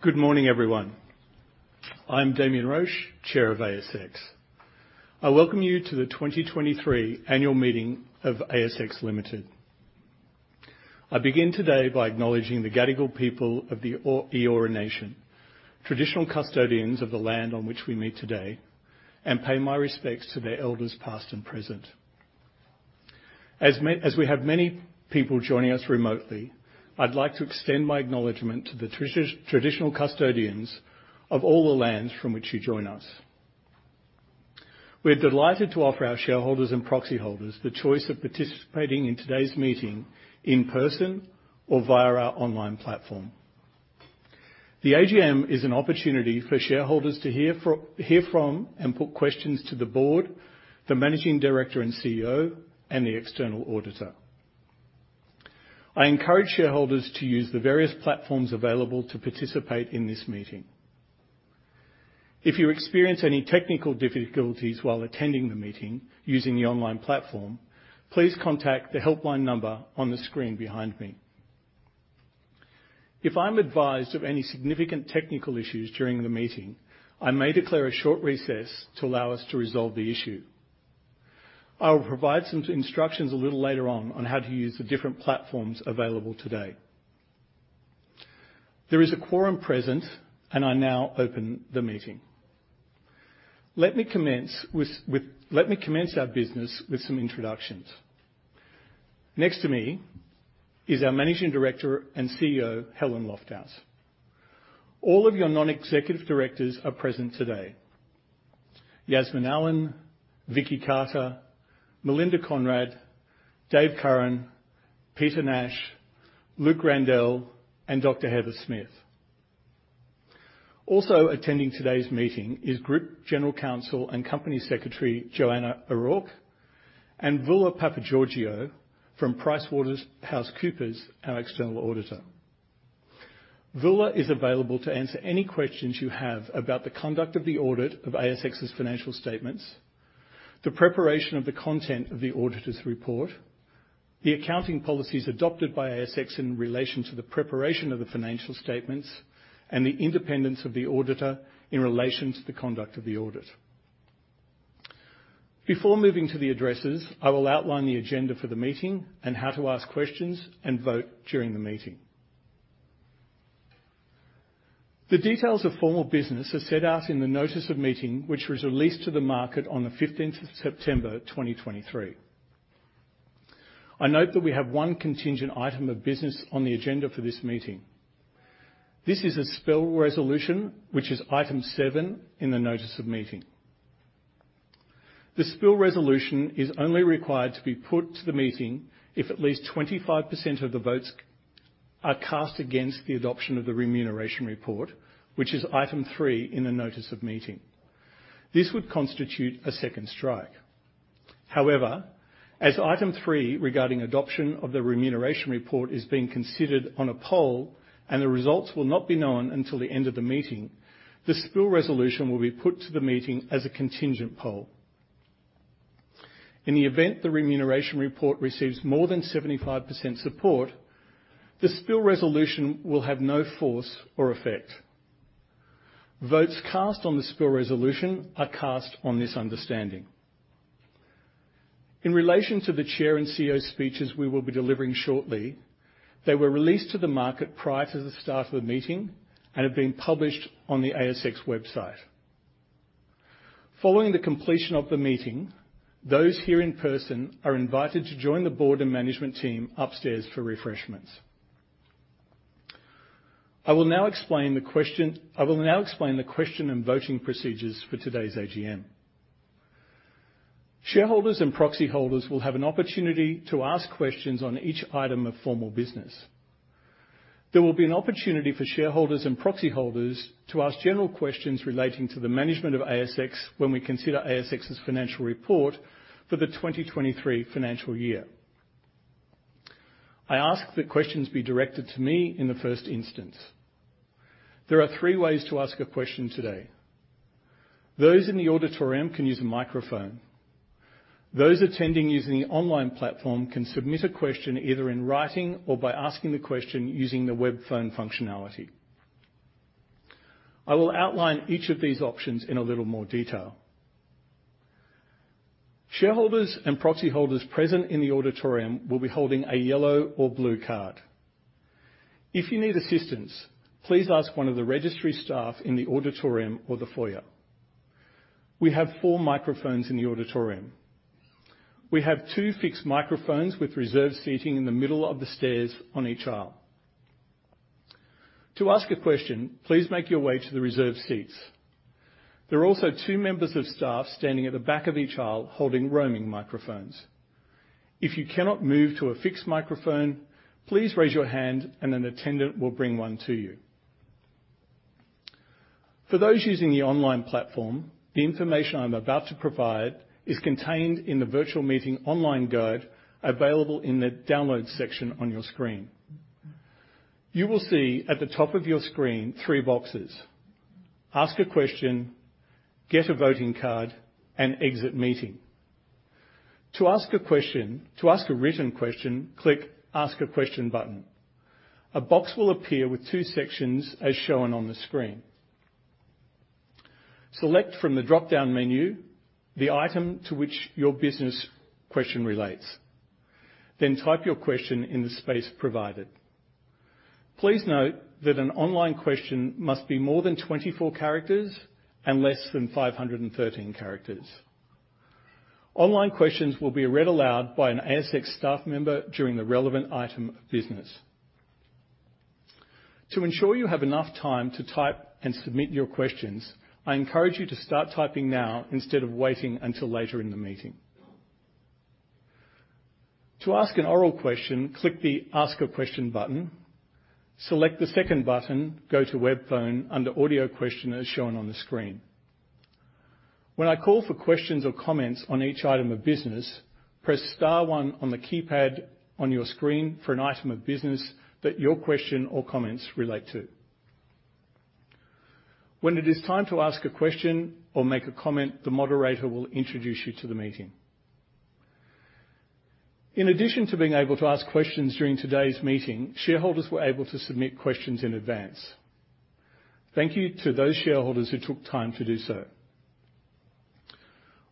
Good morning, everyone. I'm Damian Roche, Chair of ASX. I welcome you to the 2023 annual meeting of ASX Limited. I begin today by acknowledging the Gadigal people of the Eora Nation, traditional custodians of the land on which we meet today, and pay my respects to their elders, past and present. As we have many people joining us remotely, I'd like to extend my acknowledgement to the traditional custodians of all the lands from which you join us. We're delighted to offer our shareholders and proxy holders the choice of participating in today's meeting in person or via our online platform. The AGM is an opportunity for shareholders to hear from and put questions to the board, the managing director and CEO, and the external auditor. I encourage shareholders to use the various platforms available to participate in this meeting. If you experience any technical difficulties while attending the meeting using the online platform, please contact the helpline number on the screen behind me. If I'm advised of any significant technical issues during the meeting, I may declare a short recess to allow us to resolve the issue. I will provide some instructions a little later on how to use the different platforms available today. There is a quorum present, and I now open the meeting. Let me commence our business with some introductions. Next to me is our Managing Director and CEO, Helen Lofthouse. All of your non-executive directors are present today: Yasmin Allen, Vicki Carter, Melinda Conrad, Dave Curran, Peter Nash, Luke Randell, and Dr. Heather Smith. Also attending today's meeting is Group General Counsel and Company Secretary Johanna O'Rourke, and Voula Papageorgiou from PricewaterhouseCoopers, our external auditor. Voula is available to answer any questions you have about the conduct of the audit of ASX's financial statements, the preparation of the content of the auditor's report, the accounting policies adopted by ASX in relation to the preparation of the financial statements, and the independence of the auditor in relation to the conduct of the audit. Before moving to the addresses, I will outline the agenda for the meeting and how to ask questions and vote during the meeting. The details of formal business are set out in the Notice of Meeting, which was released to the market on the 15th of September 2023. I note that we have one contingent item of business on the agenda for this meeting. This is a Spill Resolution, which is item seven in the Notice of Meeting. The Spill Resolution is only required to be put to the meeting if at least 25% of the votes are cast against the adoption of the Remuneration Report, which is item 3 in the Notice of Meeting. This would constitute a second strike. However, as item 3, regarding adoption of the Remuneration Report, is being considered on a poll and the results will not be known until the end of the meeting, the Spill Resolution will be put to the meeting as a contingent poll. In the event the Remuneration Report receives more than 75% support, the Spill Resolution will have no force or effect. Votes cast on the Spill Resolution are cast on this understanding. In relation to the Chair and CEO speeches we will be delivering shortly, they were released to the market prior to the start of the meeting and have been published on the ASX website. Following the completion of the meeting, those here in person are invited to join the board and management team upstairs for refreshments. I will now explain the question and voting procedures for today's AGM. Shareholders and proxy holders will have an opportunity to ask questions on each item of formal business. There will be an opportunity for shareholders and proxy holders to ask general questions relating to the management of ASX when we consider ASX's financial report for the 2023 financial year. I ask that questions be directed to me in the first instance. There are three ways to ask a question today. Those in the auditorium can use a microphone. Those attending using the online platform can submit a question either in writing or by asking the question using the web phone functionality. I will outline each of these options in a little more detail. Shareholders and proxy holders present in the auditorium will be holding a yellow or blue card. If you need assistance, please ask one of the registry staff in the auditorium or the foyer. We have four microphones in the auditorium. We have two fixed microphones with reserved seating in the middle of the stairs on each aisle. To ask a question, please make your way to the reserved seats. There are also two members of staff standing at the back of each aisle, holding roaming microphones. If you cannot move to a fixed microphone, please raise your hand and an attendant will bring one to you. For those using the online platform, the information I'm about to provide is contained in the virtual meeting online guide, available in the Download section on your screen. You will see at the top of your screen three boxes: Ask a question, Get a voting card, and Exit meeting. To ask a question, to ask a written question, click Ask a Question button. A box will appear with two sections as shown on the screen. Select from the dropdown menu the item to which your business question relates, then type your question in the space provided. Please note that an online question must be more than 24 characters and less than 513 characters. Online questions will be read aloud by an ASX staff member during the relevant item of business. To ensure you have enough time to type and submit your questions, I encourage you to start typing now instead of waiting until later in the meeting. To ask an oral question, click the Ask a Question button. Select the second button, Go to Webphone, under Audio Question, as shown on the screen. When I call for questions or comments on each item of business, press star one on the keypad on your screen for an item of business that your question or comments relate to. When it is time to ask a question or make a comment, the moderator will introduce you to the meeting. In addition to being able to ask questions during today's meeting, shareholders were able to submit questions in advance. Thank you to those shareholders who took time to do so.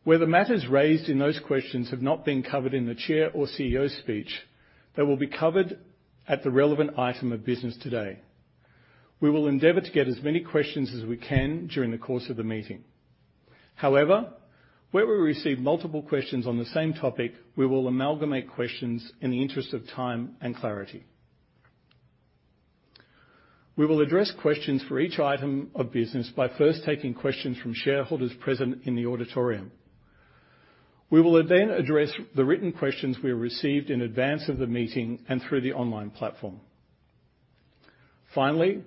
Where the matters raised in those questions have not been covered in the Chair or CEO speech, they will be covered at the relevant item of business today. We will endeavor to get as many questions as we can during the course of the meeting. However, where we receive multiple questions on the same topic, we will amalgamate questions in the interest of time and clarity. We will address questions for each item of business by first taking questions from shareholders present in the auditorium. We will then address the written questions we received in advance of the meeting and through the online platform. Finally, we will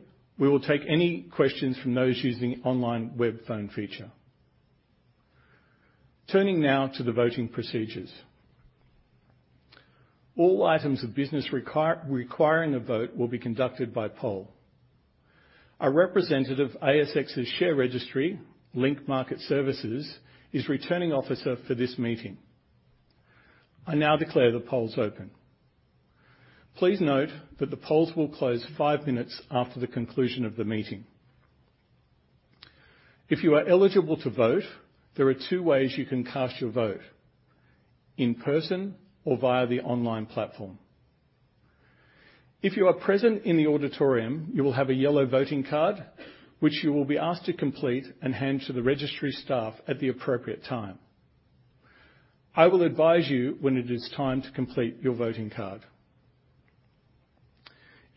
take any questions from those using online webphone feature. Turning now to the voting procedures. All items of business requiring a vote will be conducted by poll. Our representative, ASX's share registry, Link Market Services, is Returning Officer for this meeting. I now declare the polls open. Please note that the polls will close five minutes after the conclusion of the meeting. If you are eligible to vote, there are two ways you can cast your vote: in person or via the online platform. If you are present in the auditorium, you will have a yellow voting card, which you will be asked to complete and hand to the registry staff at the appropriate time. I will advise you when it is time to complete your voting card.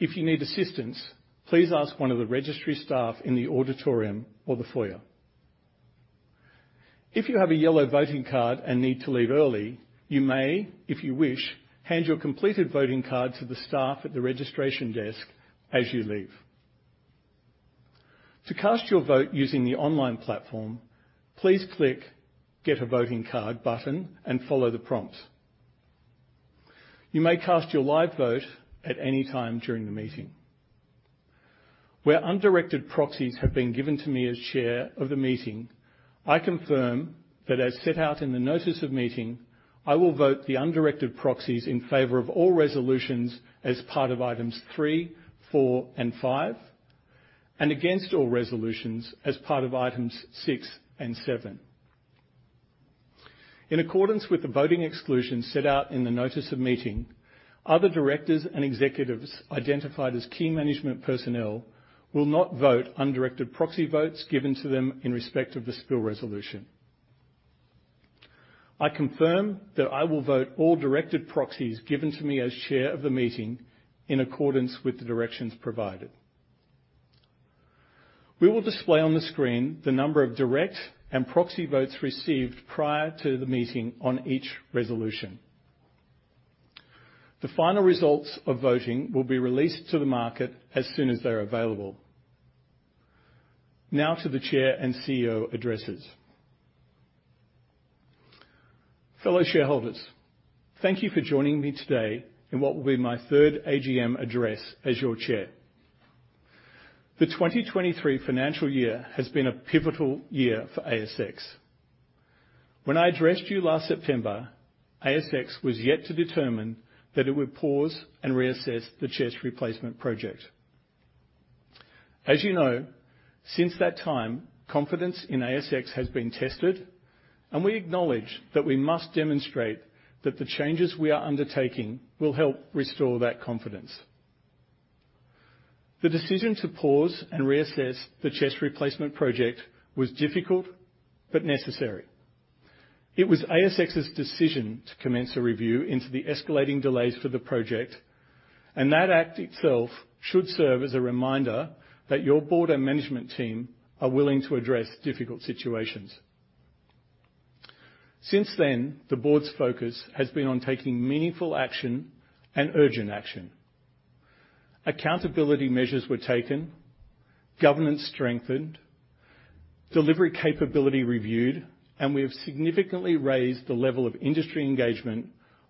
If you need assistance, please ask one of the registry staff in the auditorium or the foyer. If you have a yellow voting card and need to leave early, you may, if you wish, hand your completed voting card to the staff at the registration desk as you leave. To cast your vote using the online platform, please click Get a Voting Card button and follow the prompts. You may cast your live vote at any time during the meeting. Where undirected proxies have been given to me as chair of the meeting, I confirm that, as set out in the notice of meeting, I will vote the undirected proxies in favor of all resolutions as part of items three, four, and five, and against all resolutions as part of items six and seven. In accordance with the voting exclusion set out in the notice of meeting, other directors and executives identified as key management personnel will not vote undirected proxy votes given to them in respect of the Spill Resolution. I confirm that I will vote all directed proxies given to me as chair of the meeting in accordance with the directions provided. We will display on the screen the number of direct and proxy votes received prior to the meeting on each resolution. The final results of voting will be released to the market as soon as they're available. Now to the Chair and CEO addresses. Fellow shareholders, thank you for joining me today in what will be my third AGM address as your Chair. The 2023 financial year has been a pivotal year for ASX. When I addressed you last September, ASX was yet to determine that it would pause and reassess the CHESS replacement project. As you know, since that time, confidence in ASX has been tested, and we acknowledge that we must demonstrate that the changes we are undertaking will help restore that confidence. The decision to pause and reassess the CHESS replacement project was difficult but necessary. It was ASX's decision to commence a review into the escalating delays for the project, and that act itself should serve as a reminder that your board and management team are willing to address difficult situations. Since then, the board's focus has been on taking meaningful action and urgent action. Accountability measures were taken, governance strengthened, delivery capability reviewed, and we have significantly raised the level of industry engagement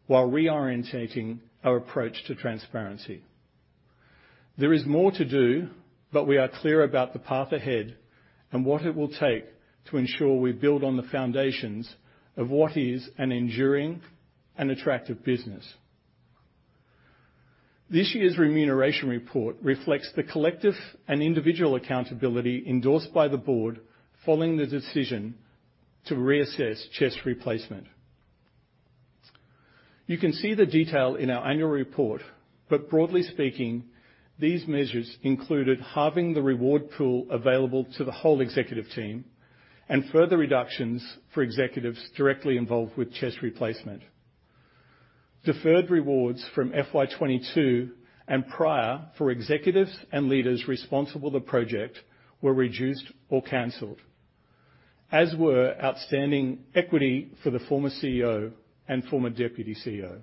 while reorientating our approach to transparency. There is more to do, but we are clear about the path ahead and what it will take to ensure we build on the foundations of what is an enduring and attractive business. This year's Remuneration Report reflects the collective and individual accountability endorsed by the board following the decision to reassess CHESS Replacement. You can see the detail in our annual report, but broadly speaking, these measures included halving the reward pool available to the whole executive team and further reductions for executives directly involved with CHESS replacement. Deferred rewards from FY 2022 and prior for executives and leaders responsible for the project were reduced or canceled, as were outstanding equity for the former CEO and former deputy CEO.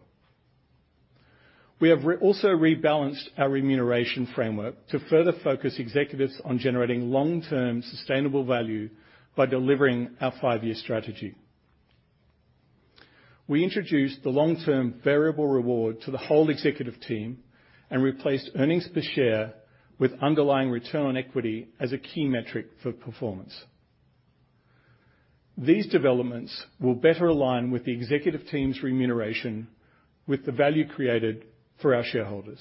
We have also rebalanced our remuneration framework to further focus executives on generating long-term sustainable value by delivering our five-year strategy. We introduced the long-term variable reward to the whole executive team and replaced earnings per share with underlying return on equity as a key metric for performance. These developments will better align with the executive team's remuneration with the value created for our shareholders.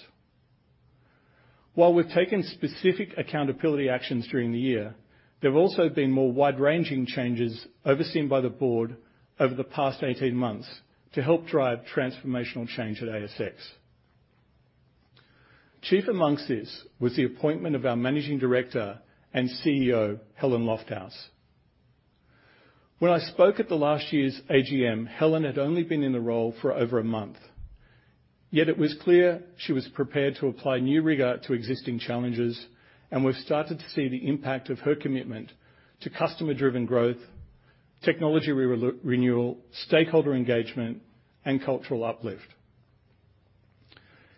While we've taken specific accountability actions during the year, there have also been more wide-ranging changes overseen by the board over the past 18 months to help drive transformational change at ASX. Chief among this was the appointment of our Managing Director and CEO, Helen Lofthouse. When I spoke at last year's AGM, Helen had only been in the role for over a month, yet it was clear she was prepared to apply new rigor to existing challenges, and we've started to see the impact of her commitment to customer-driven growth, technology renewal, stakeholder engagement, and cultural uplift.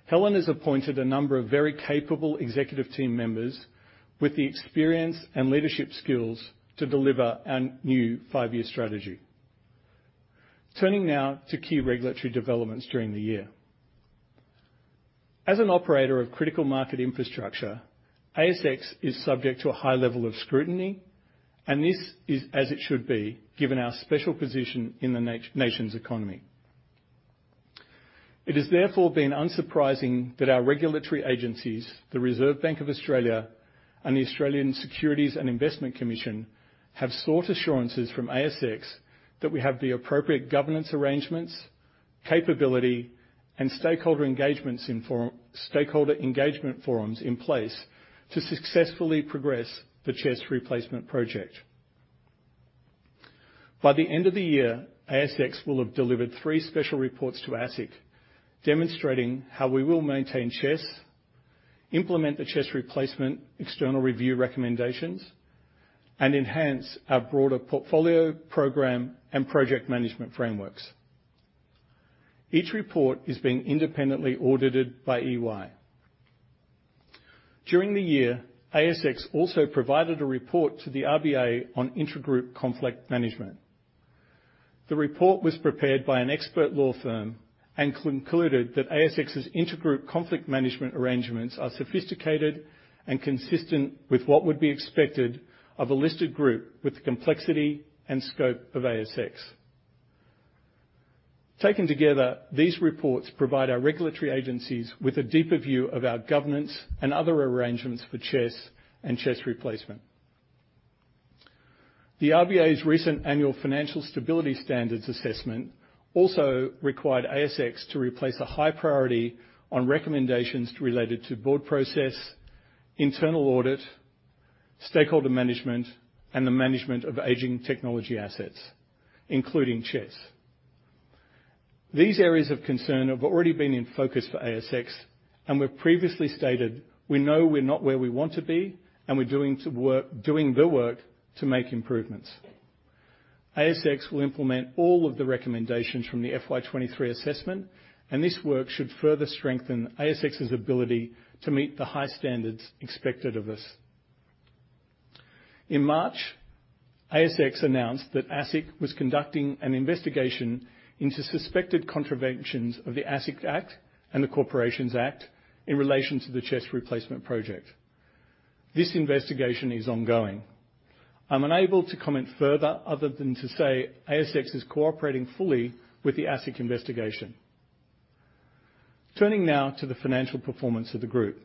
Helen has appointed a number of very capable executive team members with the experience and leadership skills to deliver our new five-year strategy. Turning now to key regulatory developments during the year. As an operator of critical market infrastructure, ASX is subject to a high level of scrutiny, and this is as it should be, given our special position in the nation's economy. It has therefore been unsurprising that our regulatory agencies, the Reserve Bank of Australia and the Australian Securities and Investments Commission, have sought assurances from ASX that we have the appropriate governance arrangements, capability, and stakeholder engagement forums in place to successfully progress the CHESS Replacement project. By the end of the year, ASX will have delivered three special reports to ASIC, demonstrating how we will maintain CHESS, implement the CHESS Replacement external review recommendations, and enhance our broader portfolio, program, and project management frameworks. Each report is being independently audited by EY. During the year, ASX also provided a report to the RBA on intragroup conflict management. The report was prepared by an expert law firm and concluded that ASX's intragroup conflict management arrangements are sophisticated and consistent with what would be expected of a listed group with the complexity and scope of ASX. Taken together, these reports provide our regulatory agencies with a deeper view of our governance and other arrangements for CHESS and CHESS Replacement. The RBA's recent annual financial stability standards assessment also required ASX to place a high priority on recommendations related to board process, internal audit, stakeholder management, and the management of aging technology assets, including CHESS. These areas of concern have already been in focus for ASX, and we've previously stated: We know we're not where we want to be, and we're doing the work to make improvements. ASX will implement all of the recommendations from the FY 2023 assessment, and this work should further strengthen ASX's ability to meet the high standards expected of us. In March, ASX announced that ASIC was conducting an investigation into suspected contraventions of the ASIC Act and the Corporations Act in relation to the CHESS Replacement project. This investigation is ongoing. I'm unable to comment further, other than to say ASX is cooperating fully with the ASIC investigation. Turning now to the financial performance of the group.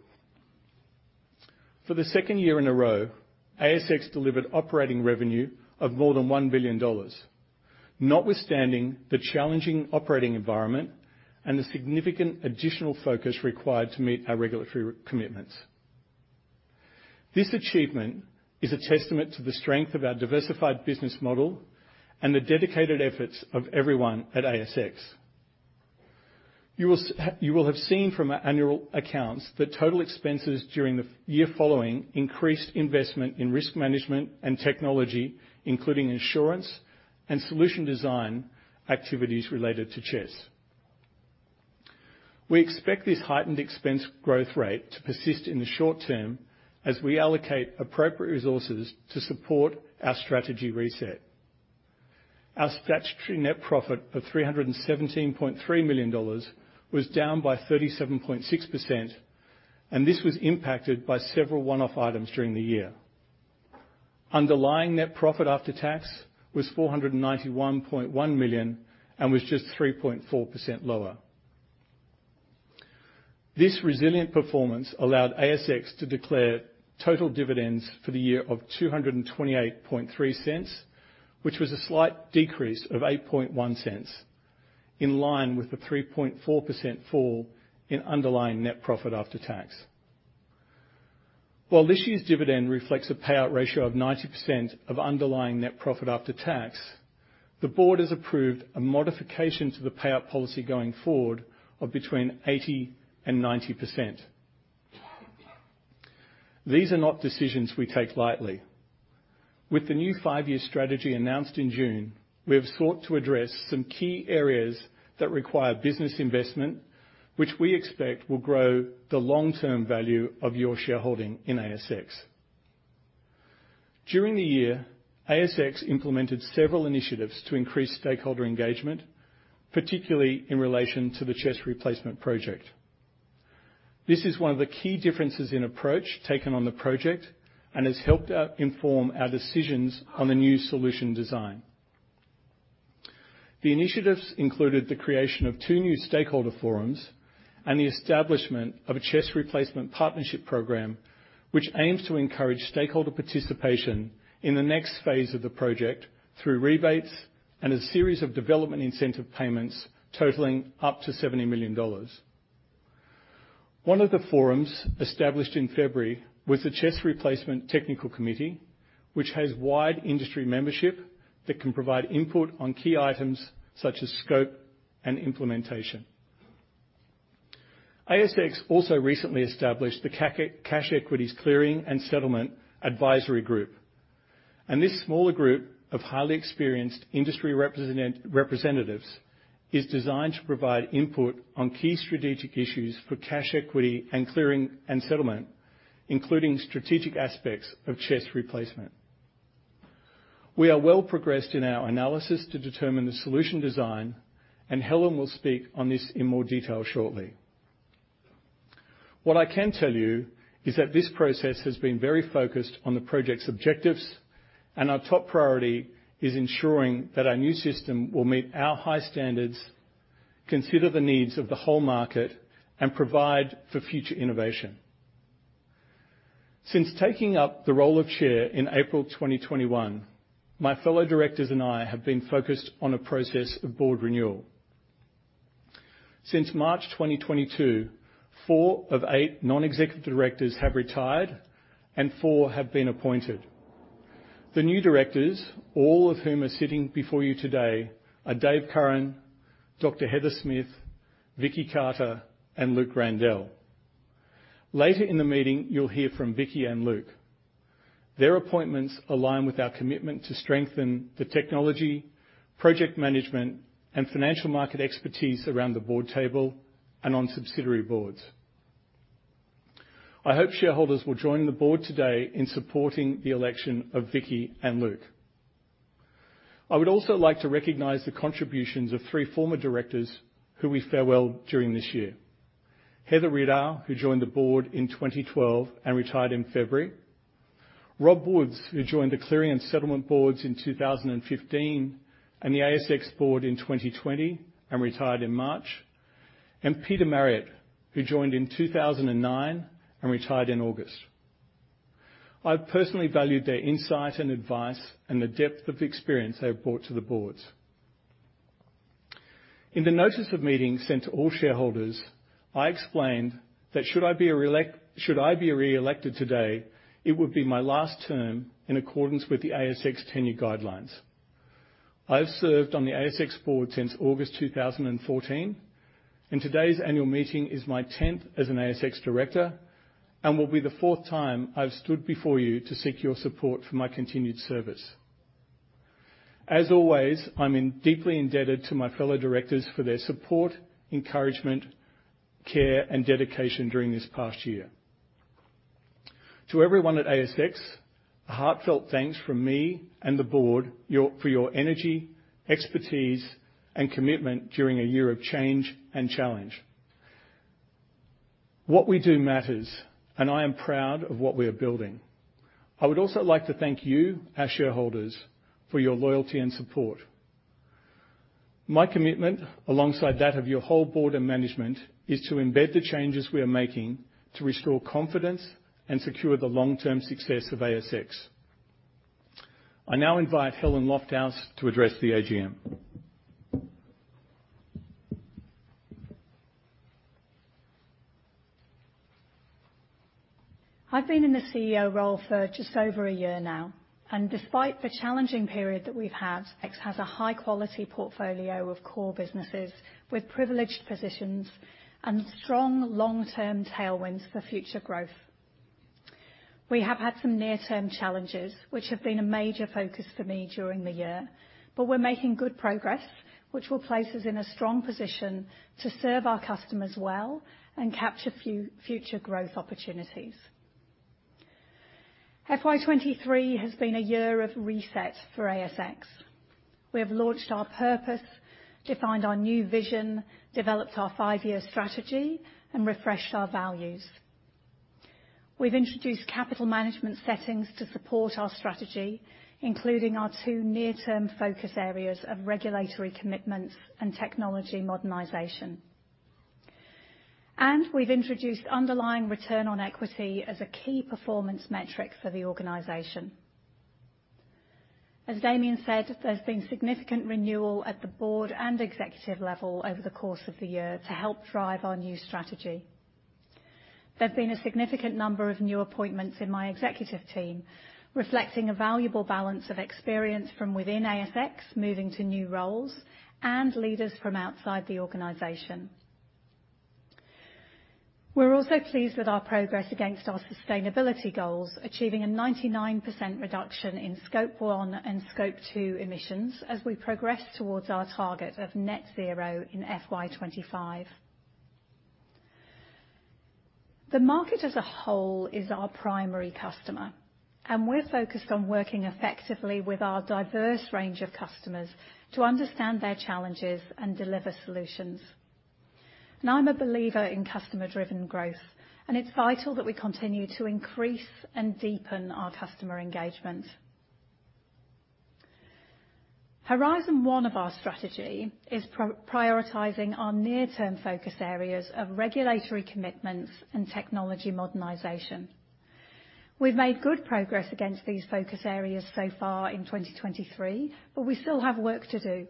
For the second year in a row, ASX delivered operating revenue of more than 1 billion dollars, notwithstanding the challenging operating environment and the significant additional focus required to meet our regulatory commitments. This achievement is a testament to the strength of our diversified business model and the dedicated efforts of everyone at ASX. You will have seen from our annual accounts that total expenses during the year following increased investment in risk management and technology, including insurance and solution design activities related to CHESS. We expect this heightened expense growth rate to persist in the short term as we allocate appropriate resources to support our strategy reset.... Our statutory net profit of 317.3 million dollars was down by 37.6%, and this was impacted by several one-off items during the year. Underlying net profit after tax was 491.1 million, and was just 3.4% lower. This resilient performance allowed ASX to declare total dividends for the year of 228.3 cents, which was a slight decrease of 8.1 cents, in line with the 3.4% fall in underlying net profit after tax. While this year's dividend reflects a payout ratio of 90% of underlying net profit after tax, the board has approved a modification to the payout policy going forward of between 80% and 90%. These are not decisions we take lightly. With the new five-year strategy announced in June, we have sought to address some key areas that require business investment, which we expect will grow the long-term value of your shareholding in ASX. During the year, ASX implemented several initiatives to increase stakeholder engagement, particularly in relation to the CHESS Replacement project. This is one of the key differences in approach taken on the project, and has helped to inform our decisions on the new solution design. The initiatives included the creation of two new stakeholder forums and the establishment of a CHESS Replacement Partnership Program, which aims to encourage stakeholder participation in the next phase of the project through rebates and a series of development incentive payments totaling up to 70 million dollars. One of the forums established in February was the CHESS Replacement Technical Committee, which has wide industry membership that can provide input on key items such as scope and implementation. ASX also recently established the CAC - Cash Equities Clearing and Settlement Advisory Group, and this smaller group of highly experienced industry representatives is designed to provide input on key strategic issues for cash equities, clearing, and settlement, including strategic aspects of CHESS replacement. We are well progressed in our analysis to determine the solution design, and Helen will speak on this in more detail shortly. What I can tell you is that this process has been very focused on the project's objectives, and our top priority is ensuring that our new system will meet our high standards, consider the needs of the whole market, and provide for future innovation. Since taking up the role of chair in April 2021, my fellow directors and I have been focused on a process of board renewal. Since March 2022, four of eight non-executive directors have retired and four have been appointed. The new directors, all of whom are sitting before you today, are Dave Curran, Dr. Heather Smith, Vicki Carter, and Luke Randell. Later in the meeting, you'll hear from Vicki and Luke. Their appointments align with our commitment to strengthen the technology, project management, and financial market expertise around the board table and on subsidiary boards. I hope shareholders will join the board today in supporting the election of Vicki and Luke. I would also like to recognize the contributions of three former directors who we farewell during this year. Heather Ridout, who joined the board in 2012 and retired in February. Rob Woods, who joined the Clearing and Settlement boards in 2015, and the ASX board in 2020, and retired in March. Peter Marriott, who joined in 2009, and retired in August. I've personally valued their insight and advice and the depth of experience they've brought to the boards. In the notice of meeting sent to all shareholders, I explained that should I be reelected today, it would be my last term in accordance with the ASX tenure guidelines. I've served on the ASX board since August 2014, and today's annual meeting is my tenth as an ASX director and will be the fourth time I've stood before you to seek your support for my continued service. As always, I'm deeply indebted to my fellow directors for their support, encouragement, care, and dedication during this past year. To everyone at ASX, a heartfelt thanks from me and the board for your energy, expertise, and commitment during a year of change and challenge. What we do matters, and I am proud of what we are building. I would also like to thank you, our shareholders, for your loyalty and support. My commitment, alongside that of your whole board and management, is to embed the changes we are making to restore confidence and secure the long-term success of ASX. I now invite Helen Lofthouse to address the AGM. I've been in the CEO role for just over a year now, and despite the challenging period that we've had, ASX has a high-quality portfolio of core businesses with privileged positions and strong long-term tailwinds for future growth. We have had some near-term challenges, which have been a major focus for me during the year, but we're making good progress, which will place us in a strong position to serve our customers well and capture future growth opportunities. FY23 has been a year of reset for ASX. We have launched our purpose, defined our new vision, developed our five-year strategy, and refreshed our values. We've introduced capital management settings to support our strategy, including our two near-term focus areas of regulatory commitments and technology modernization. We've introduced underlying return on equity as a key performance metric for the organization. As Damian said, there's been significant renewal at the board and executive level over the course of the year to help drive our new strategy. There's been a significant number of new appointments in my executive team, reflecting a valuable balance of experience from within ASX, moving to new roles, and leaders from outside the organization. We're also pleased with our progress against our sustainability goals, achieving a 99% reduction in Scope One and Scope Two emissions as we progress towards our target of net zero in FY 2025. The market as a whole is our primary customer, and we're focused on working effectively with our diverse range of customers to understand their challenges and deliver solutions. And I'm a believer in customer-driven growth, and it's vital that we continue to increase and deepen our customer engagement. Horizon one of our strategy is prioritizing our near-term focus areas of regulatory commitments and technology modernization. We've made good progress against these focus areas so far in 2023, but we still have work to do.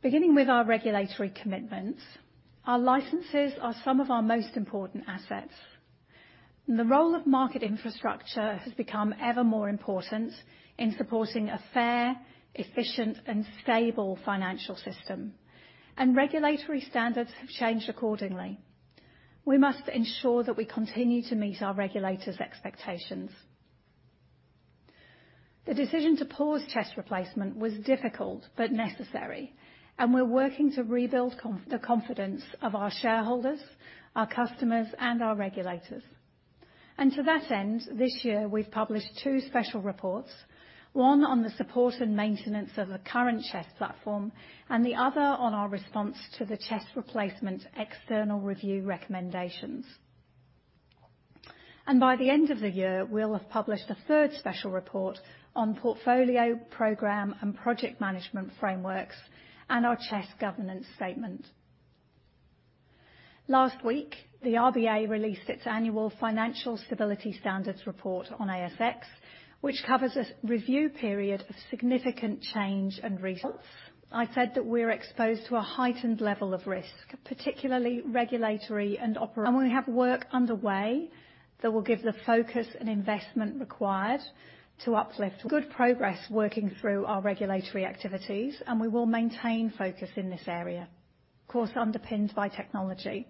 Beginning with our regulatory commitments, our licenses are some of our most important assets. The role of market infrastructure has become ever more important in supporting a fair, efficient, and stable financial system, and regulatory standards have changed accordingly. We must ensure that we continue to meet our regulators' expectations. The decision to pause CHESS replacement was difficult but necessary, and we're working to rebuild the confidence of our shareholders, our customers, and our regulators. To that end, this year, we've published two special reports, one on the support and maintenance of the current CHESS platform, and the other on our response to the CHESS replacement external review recommendations. And by the end of the year, we'll have published a third special report on portfolio, program, and project management frameworks, and our CHESS governance statement. Last week, the RBA released its annual Financial Stability Standards report on ASX, which covers a review period of significant change and results. I said that we're exposed to a heightened level of risk, particularly regulatory and opera- And we have work underway that will give the focus and investment required to uplift... Good progress working through our regulatory activities, and we will maintain focus in this area, of course, underpinned by technology.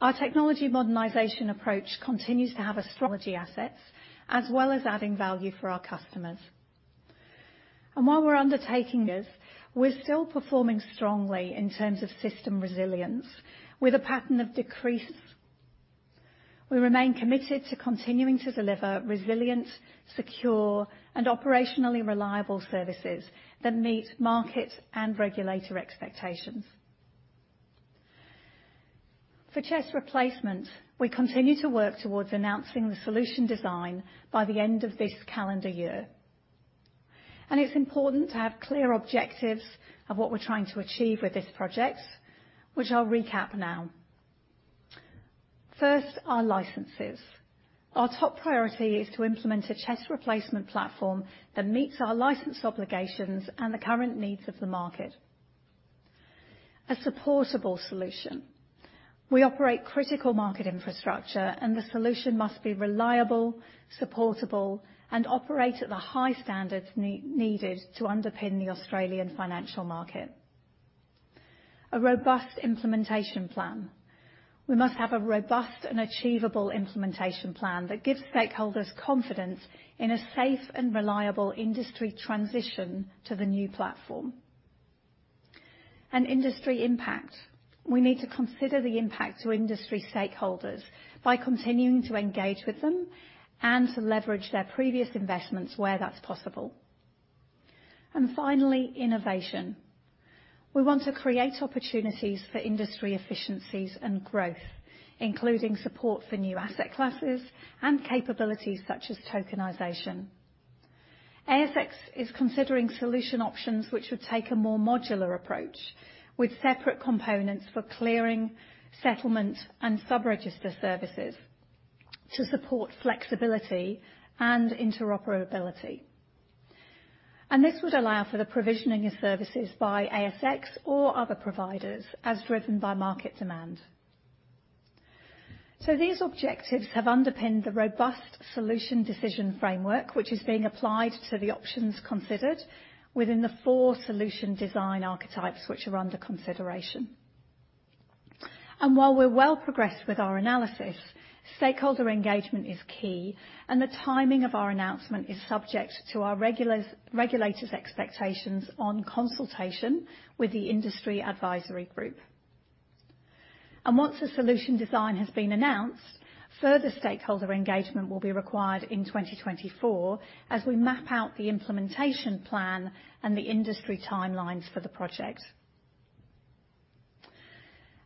Our technology modernization approach continues to have a strategy assets, as well as adding value for our customers. And while we're undertaking this, we're still performing strongly in terms of system resilience, with a pattern of decreased. We remain committed to continuing to deliver resilient, secure, and operationally reliable services that meet market and regulator expectations. For CHESS Replacement, we continue to work towards announcing the solution design by the end of this calendar year, and it's important to have clear objectives of what we're trying to achieve with this project, which I'll recap now. First, our licenses. Our top priority is to implement a CHESS Replacement platform that meets our license obligations and the current needs of the market. A supportable solution. We operate critical market infrastructure, and the solution must be reliable, supportable, and operate at the high standards needed to underpin the Australian financial market. A robust implementation plan. We must have a robust and achievable implementation plan that gives stakeholders confidence in a safe and reliable industry transition to the new platform. And industry impact. We need to consider the impact to industry stakeholders by continuing to engage with them and to leverage their previous investments where that's possible. Finally, innovation. We want to create opportunities for industry efficiencies and growth, including support for new asset classes and capabilities such as tokenization. ASX is considering solution options, which would take a more modular approach, with separate components for clearing, settlement, and sub-register services to support flexibility and interoperability. This would allow for the provisioning of services by ASX or other providers as driven by market demand. These objectives have underpinned the robust solution decision framework, which is being applied to the options considered within the four solution design archetypes, which are under consideration. While we're well progressed with our analysis, stakeholder engagement is key, and the timing of our announcement is subject to our regulators' expectations on consultation with the industry advisory group... and once a solution design has been announced, further stakeholder engagement will be required in 2024 as we map out the implementation plan and the industry timelines for the project.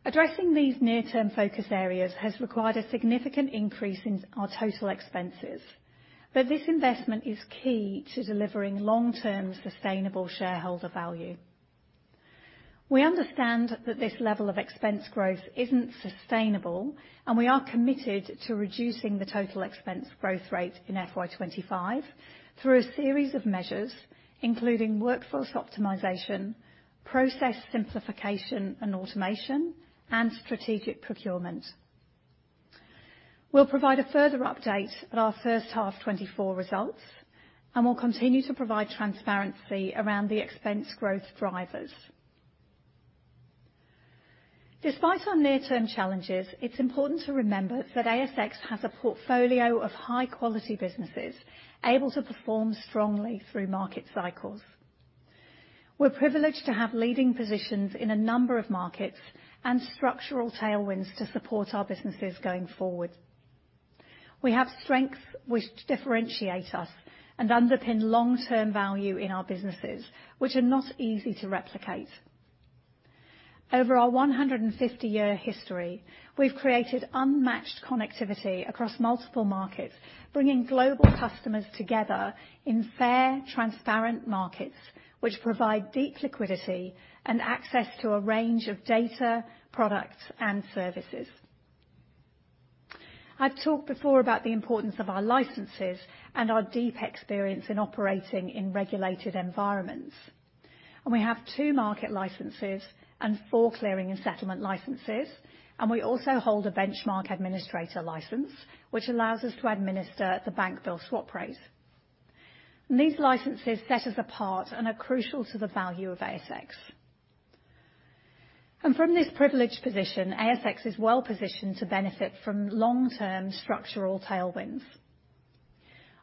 Addressing these near-term focus areas has required a significant increase in our total expenses, but this investment is key to delivering long-term, sustainable shareholder value. We understand that this level of expense growth isn't sustainable, and we are committed to reducing the total expense growth rate in FY 25 through a series of measures, including workforce optimization, process simplification and automation, and strategic procurement. We'll provide a further update at our first half 2024 results, and we'll continue to provide transparency around the expense growth drivers. Despite our near-term challenges, it's important to remember that ASX has a portfolio of high-quality businesses able to perform strongly through market cycles. We're privileged to have leading positions in a number of markets and structural tailwinds to support our businesses going forward. We have strength which differentiate us and underpin long-term value in our businesses, which are not easy to replicate. Over our 150-year history, we've created unmatched connectivity across multiple markets, bringing global customers together in fair, transparent markets, which provide deep liquidity and access to a range of data, products, and services. I've talked before about the importance of our licenses and our deep experience in operating in regulated environments, and we have two market licenses and four clearing and settlement licenses, and we also hold a benchmark administrator license, which allows us to administer the Bank Bill Swap Rate. These licenses set us apart and are crucial to the value of ASX. From this privileged position, ASX is well-positioned to benefit from long-term structural tailwinds.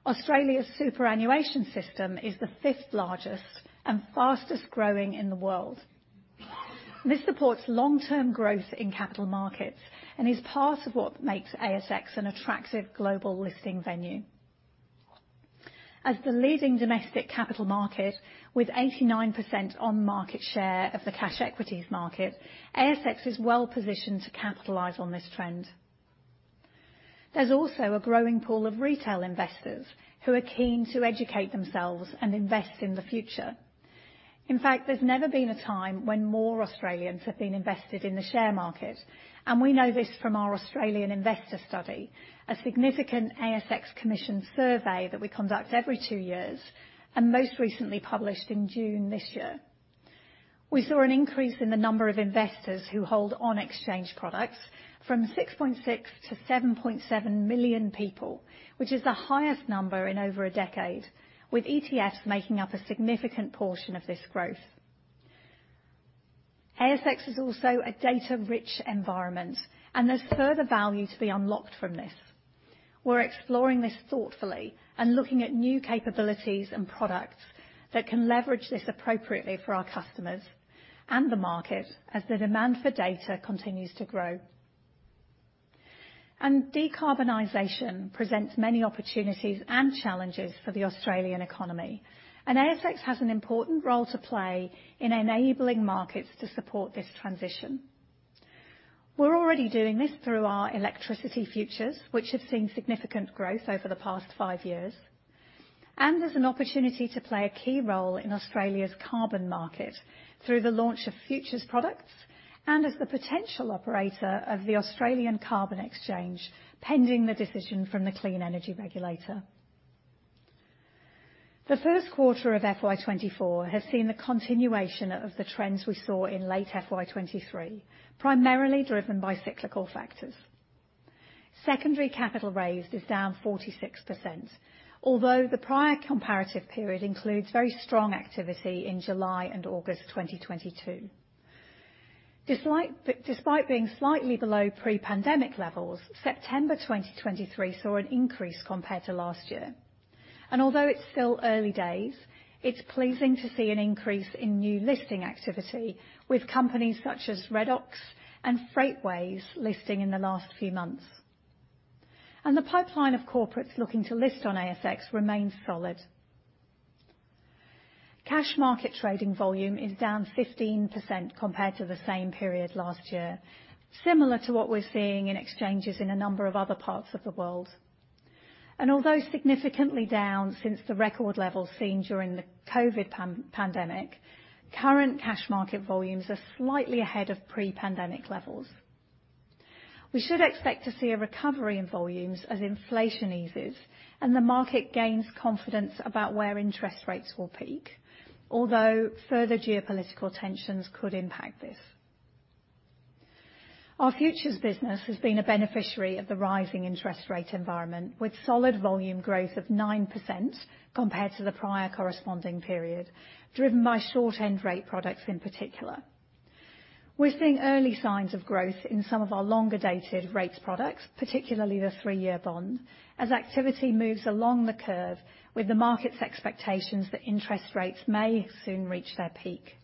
Australia's superannuation system is the fifth largest and fastest-growing in the world. This supports long-term growth in capital markets and is part of what makes ASX an attractive global listing venue. As the leading domestic capital market, with 89% on-market share of the cash equities market, ASX is well-positioned to capitalize on this trend. There's also a growing pool of retail investors who are keen to educate themselves and invest in the future. In fact, there's never been a time when more Australians have been invested in the share market, and we know this from our Australian Investor Study, a significant ASX commissioned survey that we conduct every two years, and most recently published in June this year. We saw an increase in the number of investors who hold on-exchange products from 6.6 to 7.7 million people, which is the highest number in over a decade, with ETFs making up a significant portion of this growth. ASX is also a data-rich environment, and there's further value to be unlocked from this. We're exploring this thoughtfully and looking at new capabilities and products that can leverage this appropriately for our customers and the market as the demand for data continues to grow. Decarbonization presents many opportunities and challenges for the Australian economy, and ASX has an important role to play in enabling markets to support this transition. We're already doing this through our electricity futures, which have seen significant growth over the past five years, and there's an opportunity to play a key role in Australia's carbon market through the launch of futures products and as the potential operator of the Australian Carbon Exchange, pending the decision from the Clean Energy Regulator. The first quarter of FY 2024 has seen the continuation of the trends we saw in late FY 2023, primarily driven by cyclical factors. Secondary capital raised is down 46%, although the prior comparative period includes very strong activity in July and August 2022. Despite being slightly below pre-pandemic levels, September 2023 saw an increase compared to last year, and although it's still early days, it's pleasing to see an increase in new listing activity with companies such as Redox and Freightways listing in the last few months. The pipeline of corporates looking to list on ASX remains solid. Cash market trading volume is down 15% compared to the same period last year, similar to what we're seeing in exchanges in a number of other parts of the world. Although significantly down since the record levels seen during the COVID pandemic, current cash market volumes are slightly ahead of pre-pandemic levels. We should expect to see a recovery in volumes as inflation eases and the market gains confidence about where interest rates will peak, although further geopolitical tensions could impact this. Our futures business has been a beneficiary of the rising interest rate environment, with solid volume growth of 9% compared to the prior corresponding period, driven by short-end rate products in particular. We're seeing early signs of growth in some of our longer-dated rates products, particularly the three-year bond, as activity moves along the curve with the market's expectations that interest rates may soon reach their peak.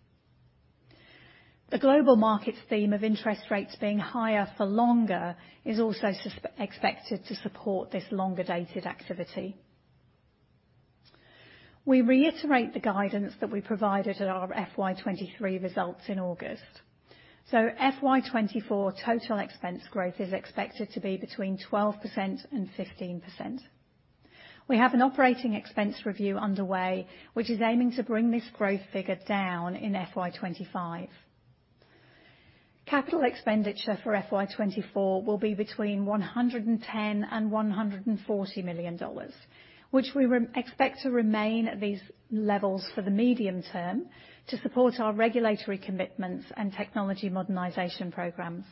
The global market theme of interest rates being higher for longer is also expected to support this longer-dated activity. We reiterate the guidance that we provided at our FY 2023 results in August. So FY 2024 total expense growth is expected to be between 12% and 15%. We have an operating expense review underway, which is aiming to bring this growth figure down in FY 2025. Capital expenditure for FY 2024 will be between 110 million and 140 million dollars, which we expect to remain at these levels for the medium term to support our regulatory commitments and technology modernization programs.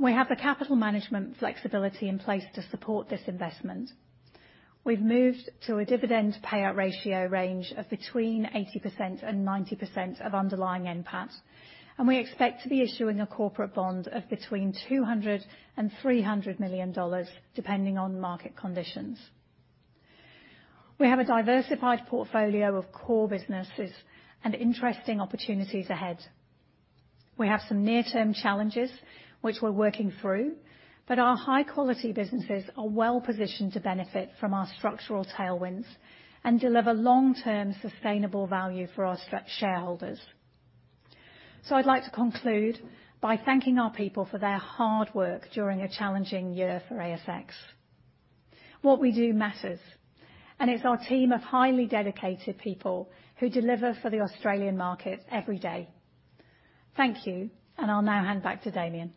We have the capital management flexibility in place to support this investment. We've moved to a dividend payout ratio range of between 80% and 90% of underlying NPAT, and we expect to be issuing a corporate bond of between 200 million dollars and AUD 300 million, depending on market conditions. We have a diversified portfolio of core businesses and interesting opportunities ahead. We have some near-term challenges, which we're working through, but our high-quality businesses are well positioned to benefit from our structural tailwinds and deliver long-term sustainable value for our shareholders. So I'd like to conclude by thanking our people for their hard work during a challenging year for ASX. What we do matters, and it's our team of highly dedicated people who deliver for the Australian market every day. Thank you, and I'll now hand back to Damian.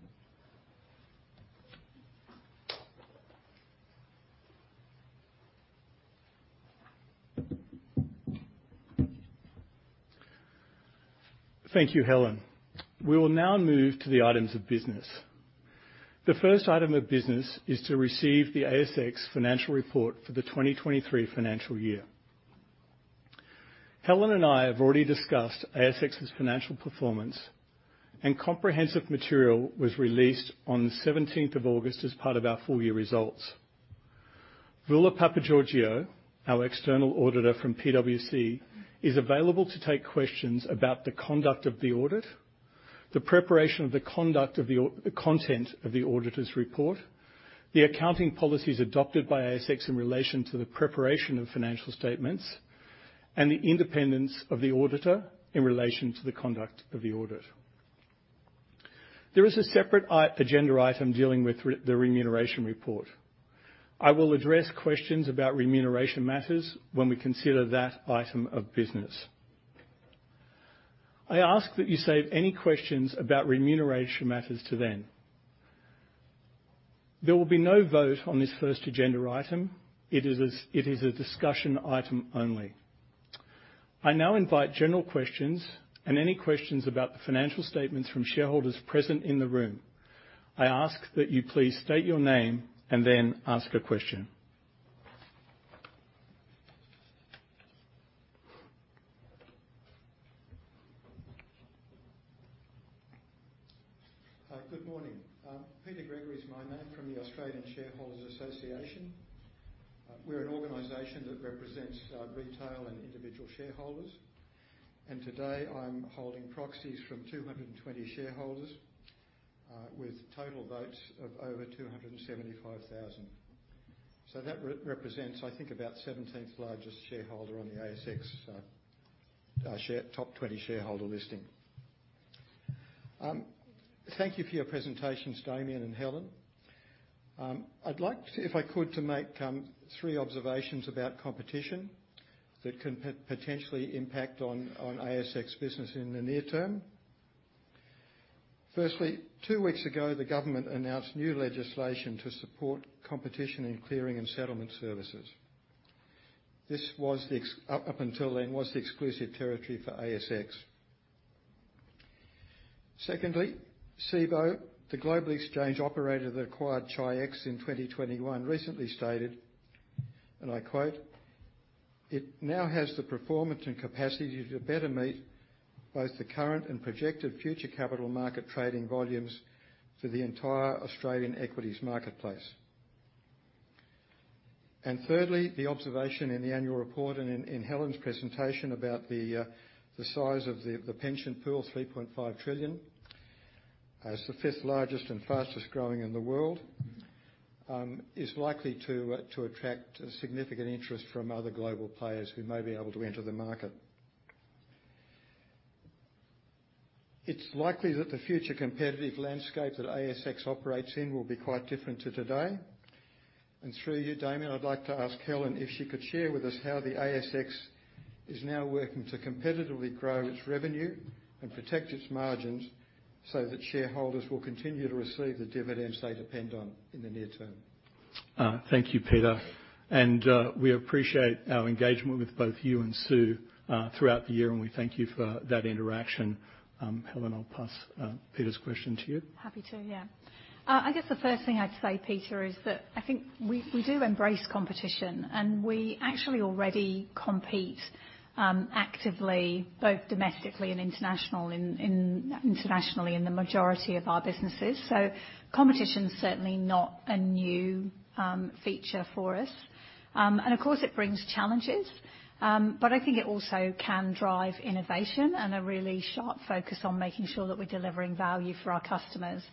Thank you, Helen. We will now move to the items of business. The first item of business is to receive the ASX financial report for the 2023 financial year. Helen and I have already discussed ASX's financial performance, and comprehensive material was released on the 17th of August as part of our full-year results. Voula Papageorgiou, our external auditor from PwC, is available to take questions about the conduct of the audit, the preparation of the content of the auditor's report, the accounting policies adopted by ASX in relation to the preparation of financial statements, and the independence of the auditor in relation to the conduct of the audit. There is a separate agenda item dealing with the remuneration report. I will address questions about remuneration matters when we consider that item of business. I ask that you save any questions about remuneration matters to then. There will be no vote on this first agenda item. It is, it is a discussion item only. I now invite general questions and any questions about the financial statements from shareholders present in the room. I ask that you please state your name and then ask a question. Hi, good morning. Peter Gregory is my name from the Australian Shareholders Association. We're an organization that represents retail and individual shareholders, and today, I'm holding proxies from 200 shareholders with total votes of over 275,000. So that represents, I think, about 17th largest shareholder on the ASX, top 20 shareholder listing. Thank you for your presentations, Damian and Helen. I'd like to, if I could, make three observations about competition that can potentially impact on ASX business in the near term. Firstly, two weeks ago, the government announced new legislation to support competition in clearing and settlement services. This was, up until then, the exclusive territory for ASX. Secondly, Cboe, the global exchange operator that acquired Chi-X in 2021, recently stated, and I quote, "It now has the performance and capacity to better meet both the current and projected future capital market trading volumes for the entire Australian equities marketplace." Thirdly, the observation in the annual report and in Helen's presentation about the size of the pension pool, 3.5 trillion, as the fifth largest and fastest-growing in the world, is likely to attract a significant interest from other global players who may be able to enter the market. It's likely that the future competitive landscape that ASX operates in will be quite different to today, and through you, Damian, I'd like to ask Helen if she could share with us how the ASX is now working to competitively grow its revenue and protect its margins so that shareholders will continue to receive the dividends they depend on in the near term. Thank you, Peter, and we appreciate our engagement with both you and Sue throughout the year, and we thank you for that interaction. Helen, I'll pass Peter's question to you. Happy to. Yeah. I guess the first thing I'd say, Peter, is that I think we, we do embrace competition, and we actually already compete, actively, both domestically and international in, in, internationally in the majority of our businesses. So competition's certainly not a new, feature for us. And of course, it brings challenges, but I think it also can drive innovation and a really sharp focus on making sure that we're delivering value for our customers...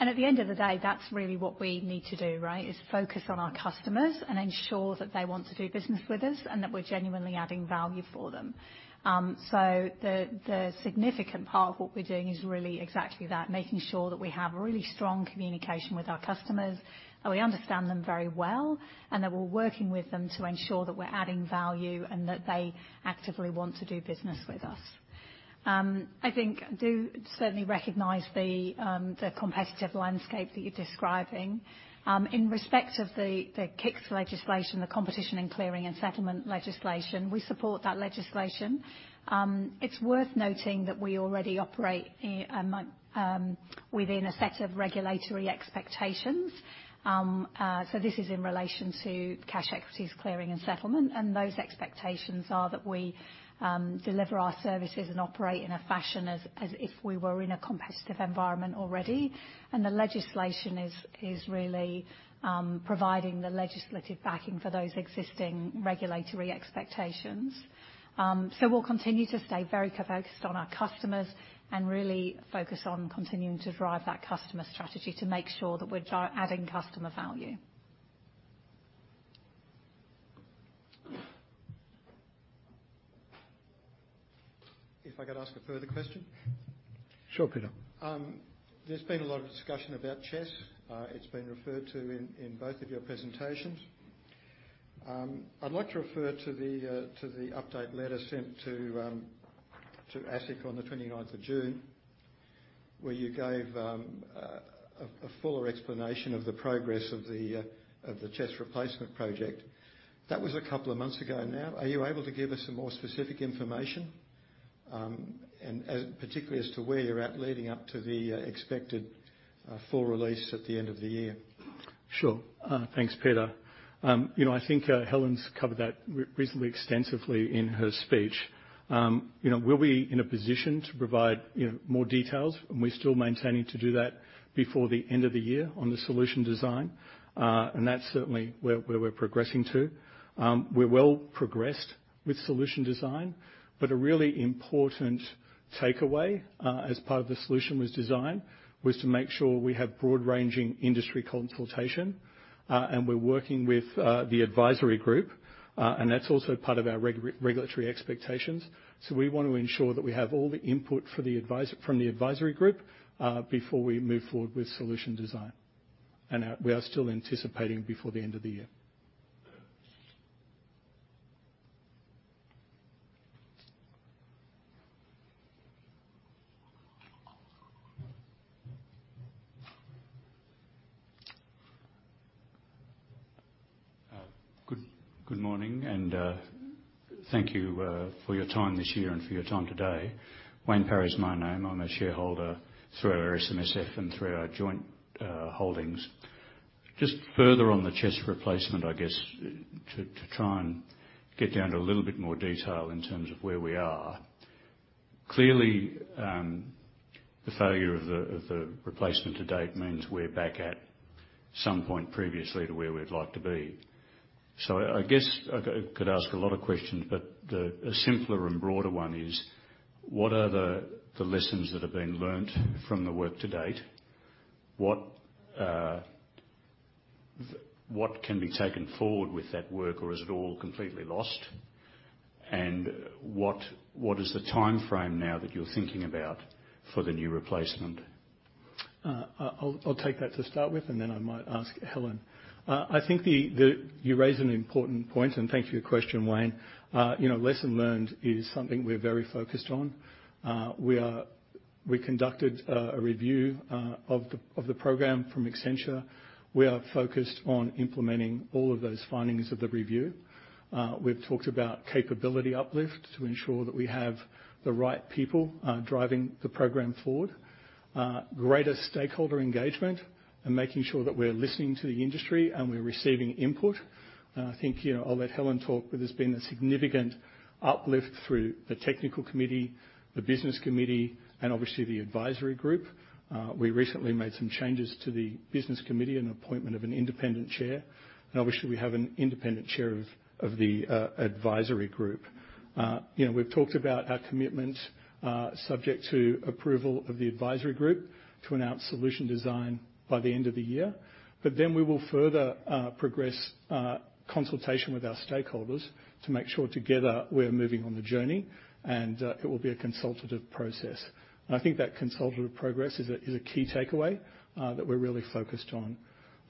And at the end of the day, that's really what we need to do, right? Is focus on our customers and ensure that they want to do business with us, and that we're genuinely adding value for them. So the significant part of what we're doing is really exactly that, making sure that we have really strong communication with our customers, and we understand them very well, and that we're working with them to ensure that we're adding value and that they actively want to do business with us. I think I do certainly recognize the competitive landscape that you're describing. In respect of the CICS legislation, the Competition in Clearing and Settlement legislation, we support that legislation. It's worth noting that we already operate within a set of regulatory expectations. So this is in relation to cash equities, clearing, and settlement, and those expectations are that we deliver our services and operate in a fashion as if we were in a competitive environment already. The legislation is really providing the legislative backing for those existing regulatory expectations. We'll continue to stay very focused on our customers and really focus on continuing to drive that customer strategy to make sure that we're trying to add customer value. If I could ask a further question? Sure, Peter. There's been a lot of discussion about CHESS. It's been referred to in both of your presentations. I'd like to refer to the update letter sent to ASIC on the twenty-ninth of June, where you gave a fuller explanation of the progress of the CHESS Replacement project. That was a couple of months ago now. Are you able to give us some more specific information, and particularly as to where you're at, leading up to the expected full release at the end of the year? Sure. Thanks, Peter. You know, I think, Helen's covered that reasonably extensively in her speech. You know, we'll be in a position to provide, you know, more details, and we're still maintaining to do that before the end of the year on the solution design. And that's certainly where we're progressing to. We're well progressed with solution design, but a really important takeaway, as part of the solution design, was to make sure we have broad-ranging industry consultation, and we're working with the advisory group, and that's also part of our regulatory expectations. So we want to ensure that we have all the input from the advisory group, before we move forward with solution design. And we are still anticipating before the end of the year. Good morning, and thank you for your time this year and for your time today. Wayne Parry is my name. I'm a shareholder through our SMSF and through our joint holdings. Just further on the CHESS replacement, I guess, to try and get down to a little bit more detail in terms of where we are. Clearly, the failure of the replacement to date means we're back at some point previously to where we'd like to be. So I guess I could ask a lot of questions, but a simpler and broader one is: What are the lessons that have been learnt from the work to date? What can be taken forward with that work, or is it all completely lost? And what is the timeframe now that you're thinking about for the new replacement? I'll take that to start with, and then I might ask Helen. I think you raise an important point, and thank you for your question, Wayne. You know, lesson learned is something we're very focused on. We conducted a review of the program from Accenture. We are focused on implementing all of those findings of the review. We've talked about capability uplift to ensure that we have the right people driving the program forward, greater stakeholder engagement, and making sure that we're listening to the industry and we're receiving input. And I think, you know, I'll let Helen talk, but there's been a significant uplift through the technical committee, the business committee, and obviously the advisory group. We recently made some changes to the business committee and appointment of an independent chair, and obviously, we have an independent chair of the advisory group. You know, we've talked about our commitment, subject to approval of the advisory group, to announce solution design by the end of the year, but then we will further progress consultation with our stakeholders to make sure together we're moving on the journey, and it will be a consultative process. And I think that consultative progress is a key takeaway that we're really focused on.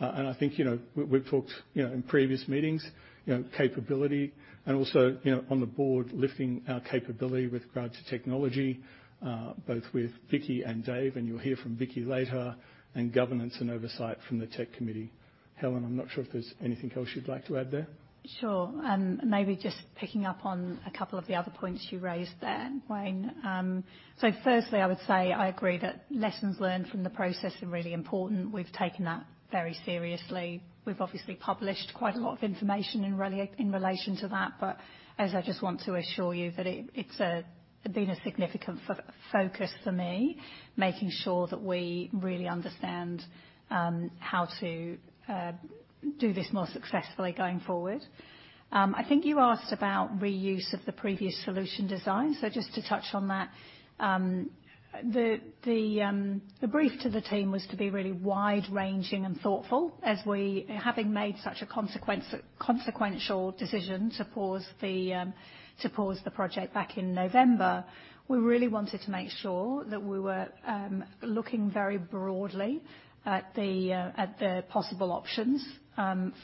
And I think, you know, we, we've talked, you know, in previous meetings, you know, capability and also, you know, on the board, lifting our capability with regard to technology, both with Vicki and Dave, and you'll hear from Vicki later, and governance and oversight from the tech committee. Helen, I'm not sure if there's anything else you'd like to add there? Sure, and maybe just picking up on a couple of the other points you raised there, Wayne. So firstly, I would say I agree that lessons learned from the process are really important. We've taken that very seriously. We've obviously published quite a lot of information in relation to that, but I just want to assure you, it's been a significant focus for me, making sure that we really understand how to do this more successfully going forward. I think you asked about reuse of the previous solution design. So just to touch on that, the brief to the team was to be really wide-ranging and thoughtful. Having made such a consequential decision to pause the project back in November, we really wanted to make sure that we were looking very broadly at the possible options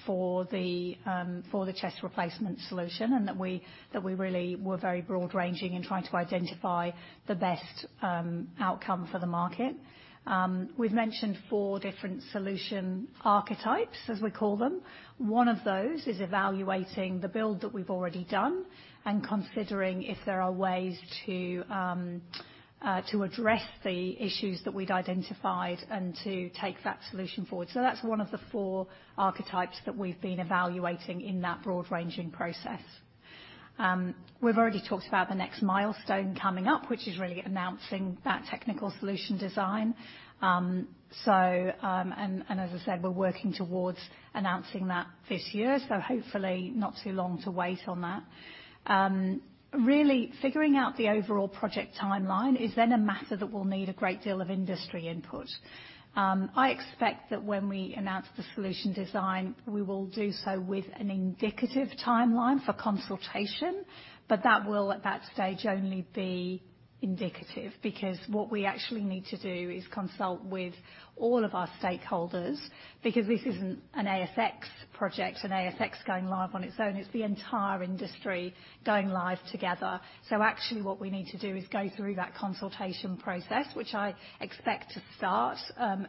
for the CHESS replacement solution, and that we really were very broad-ranging in trying to identify the best outcome for the market. We've mentioned four different solution archetypes, as we call them. One of those is evaluating the build that we've already done and considering if there are ways to address the issues that we'd identified and to take that solution forward. So that's one of the four archetypes that we've been evaluating in that broad-ranging process. We've already talked about the next milestone coming up, which is really announcing that technical solution design. And as I said, we're working towards announcing that this year, so hopefully not too long to wait on that. Really, figuring out the overall project timeline is then a matter that will need a great deal of industry input. I expect that when we announce the solution design, we will do so with an indicative timeline for consultation, but that will, at that stage, only be indicative, because what we actually need to do is consult with all of our stakeholders, because this isn't an ASX project, an ASX going live on its own, it's the entire industry going live together. So actually, what we need to do is go through that consultation process, which I expect to start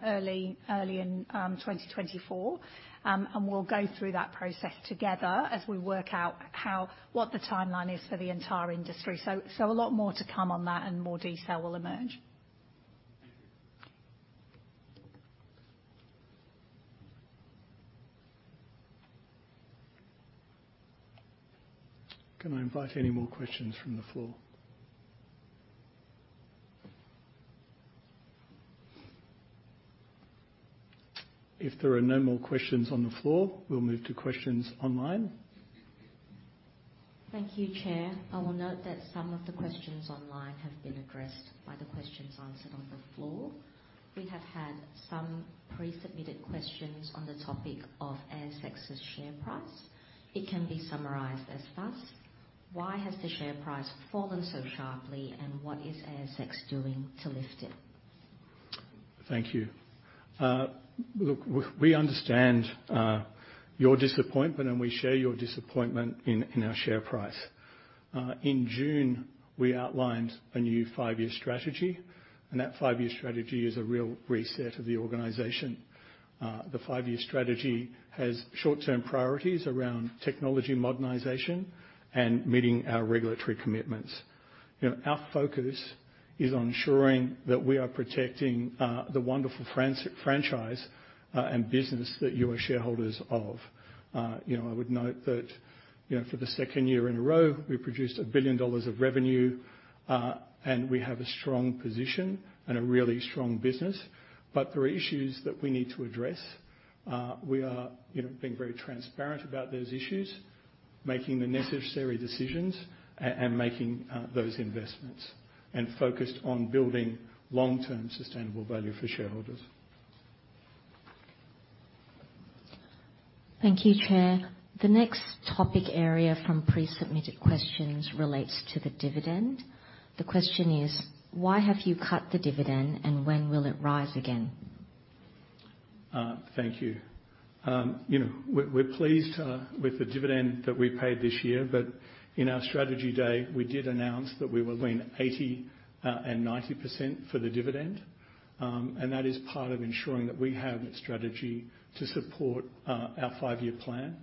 early, early in 2024. And we'll go through that process together as we work out how—what the timeline is for the entire industry. So, so a lot more to come on that, and more detail will emerge. Can I invite any more questions from the floor? If there are no more questions on the floor, we'll move to questions online. Thank you, Chair. I will note that some of the questions online have been addressed by the questions answered on the floor. We have had some pre-submitted questions on the topic of ASX's share price. It can be summarized as follows: Why has the share price fallen so sharply, and what is ASX doing to lift it? Thank you. Look, we understand your disappointment, and we share your disappointment in our share price. In June, we outlined a new five-year strategy, and that five-year strategy is a real reset of the organization. The five-year strategy has short-term priorities around technology modernization and meeting our regulatory commitments. You know, our focus is on ensuring that we are protecting the wonderful franchise and business that you are shareholders of. You know, I would note that, you know, for the second year in a row, we produced 1 billion dollars of revenue, and we have a strong position and a really strong business, but there are issues that we need to address. We are, you know, being very transparent about those issues, making the necessary decisions, and making those investments, and focused on building long-term sustainable value for shareholders. Thank you, Chair. The next topic area from pre-submitted questions relates to the dividend. The question is: Why have you cut the dividend, and when will it rise again? Thank you. You know, we're pleased with the dividend that we paid this year, but in our strategy day, we did announce that we were between 80 and 90% for the dividend. And that is part of ensuring that we have a strategy to support our five-year plan.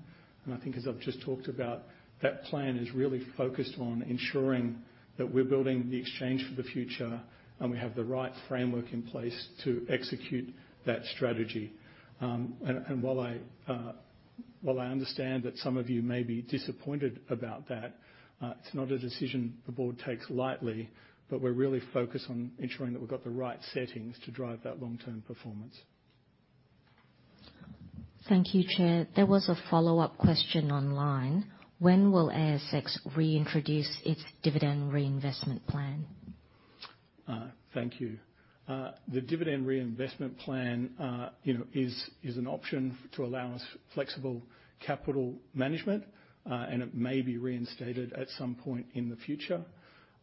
And I think as I've just talked about, that plan is really focused on ensuring that we're building the exchange for the future, and we have the right framework in place to execute that strategy. And while I understand that some of you may be disappointed about that, it's not a decision the board takes lightly, but we're really focused on ensuring that we've got the right settings to drive that long-term performance. Thank you, Chair. There was a follow-up question online: When will ASX reintroduce its Dividend Reinvestment Plan? Thank you. The Dividend Reinvestment Plan, you know, is an option to allow us flexible capital management, and it may be reinstated at some point in the future.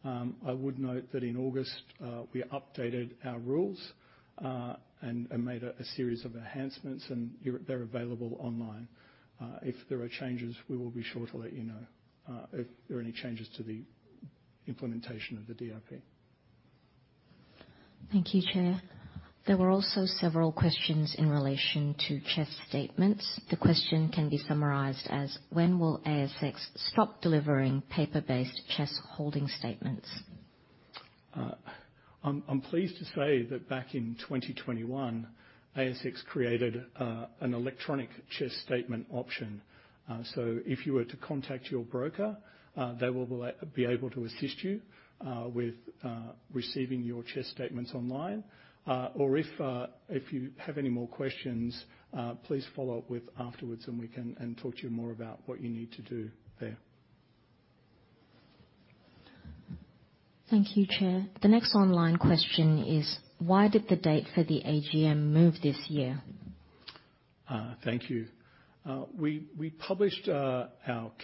I would note that in August, we updated our rules and made a series of enhancements, and they're available online. If there are changes, we will be sure to let you know if there are any changes to the implementation of the DRP. Thank you, Chair. There were also several questions in relation to CHESS statements. The question can be summarized as: When will ASX stop delivering paper-based CHESS holding statements? I'm pleased to say that back in 2021, ASX created an electronic CHESS statement option. So if you were to contact your broker, they will be able to assist you with receiving your CHESS statements online. Or if you have any more questions, please follow up with afterwards, and we can talk to you more about what you need to do there. Thank you, Chair. The next online question is: Why did the date for the AGM move this year? Thank you. We published our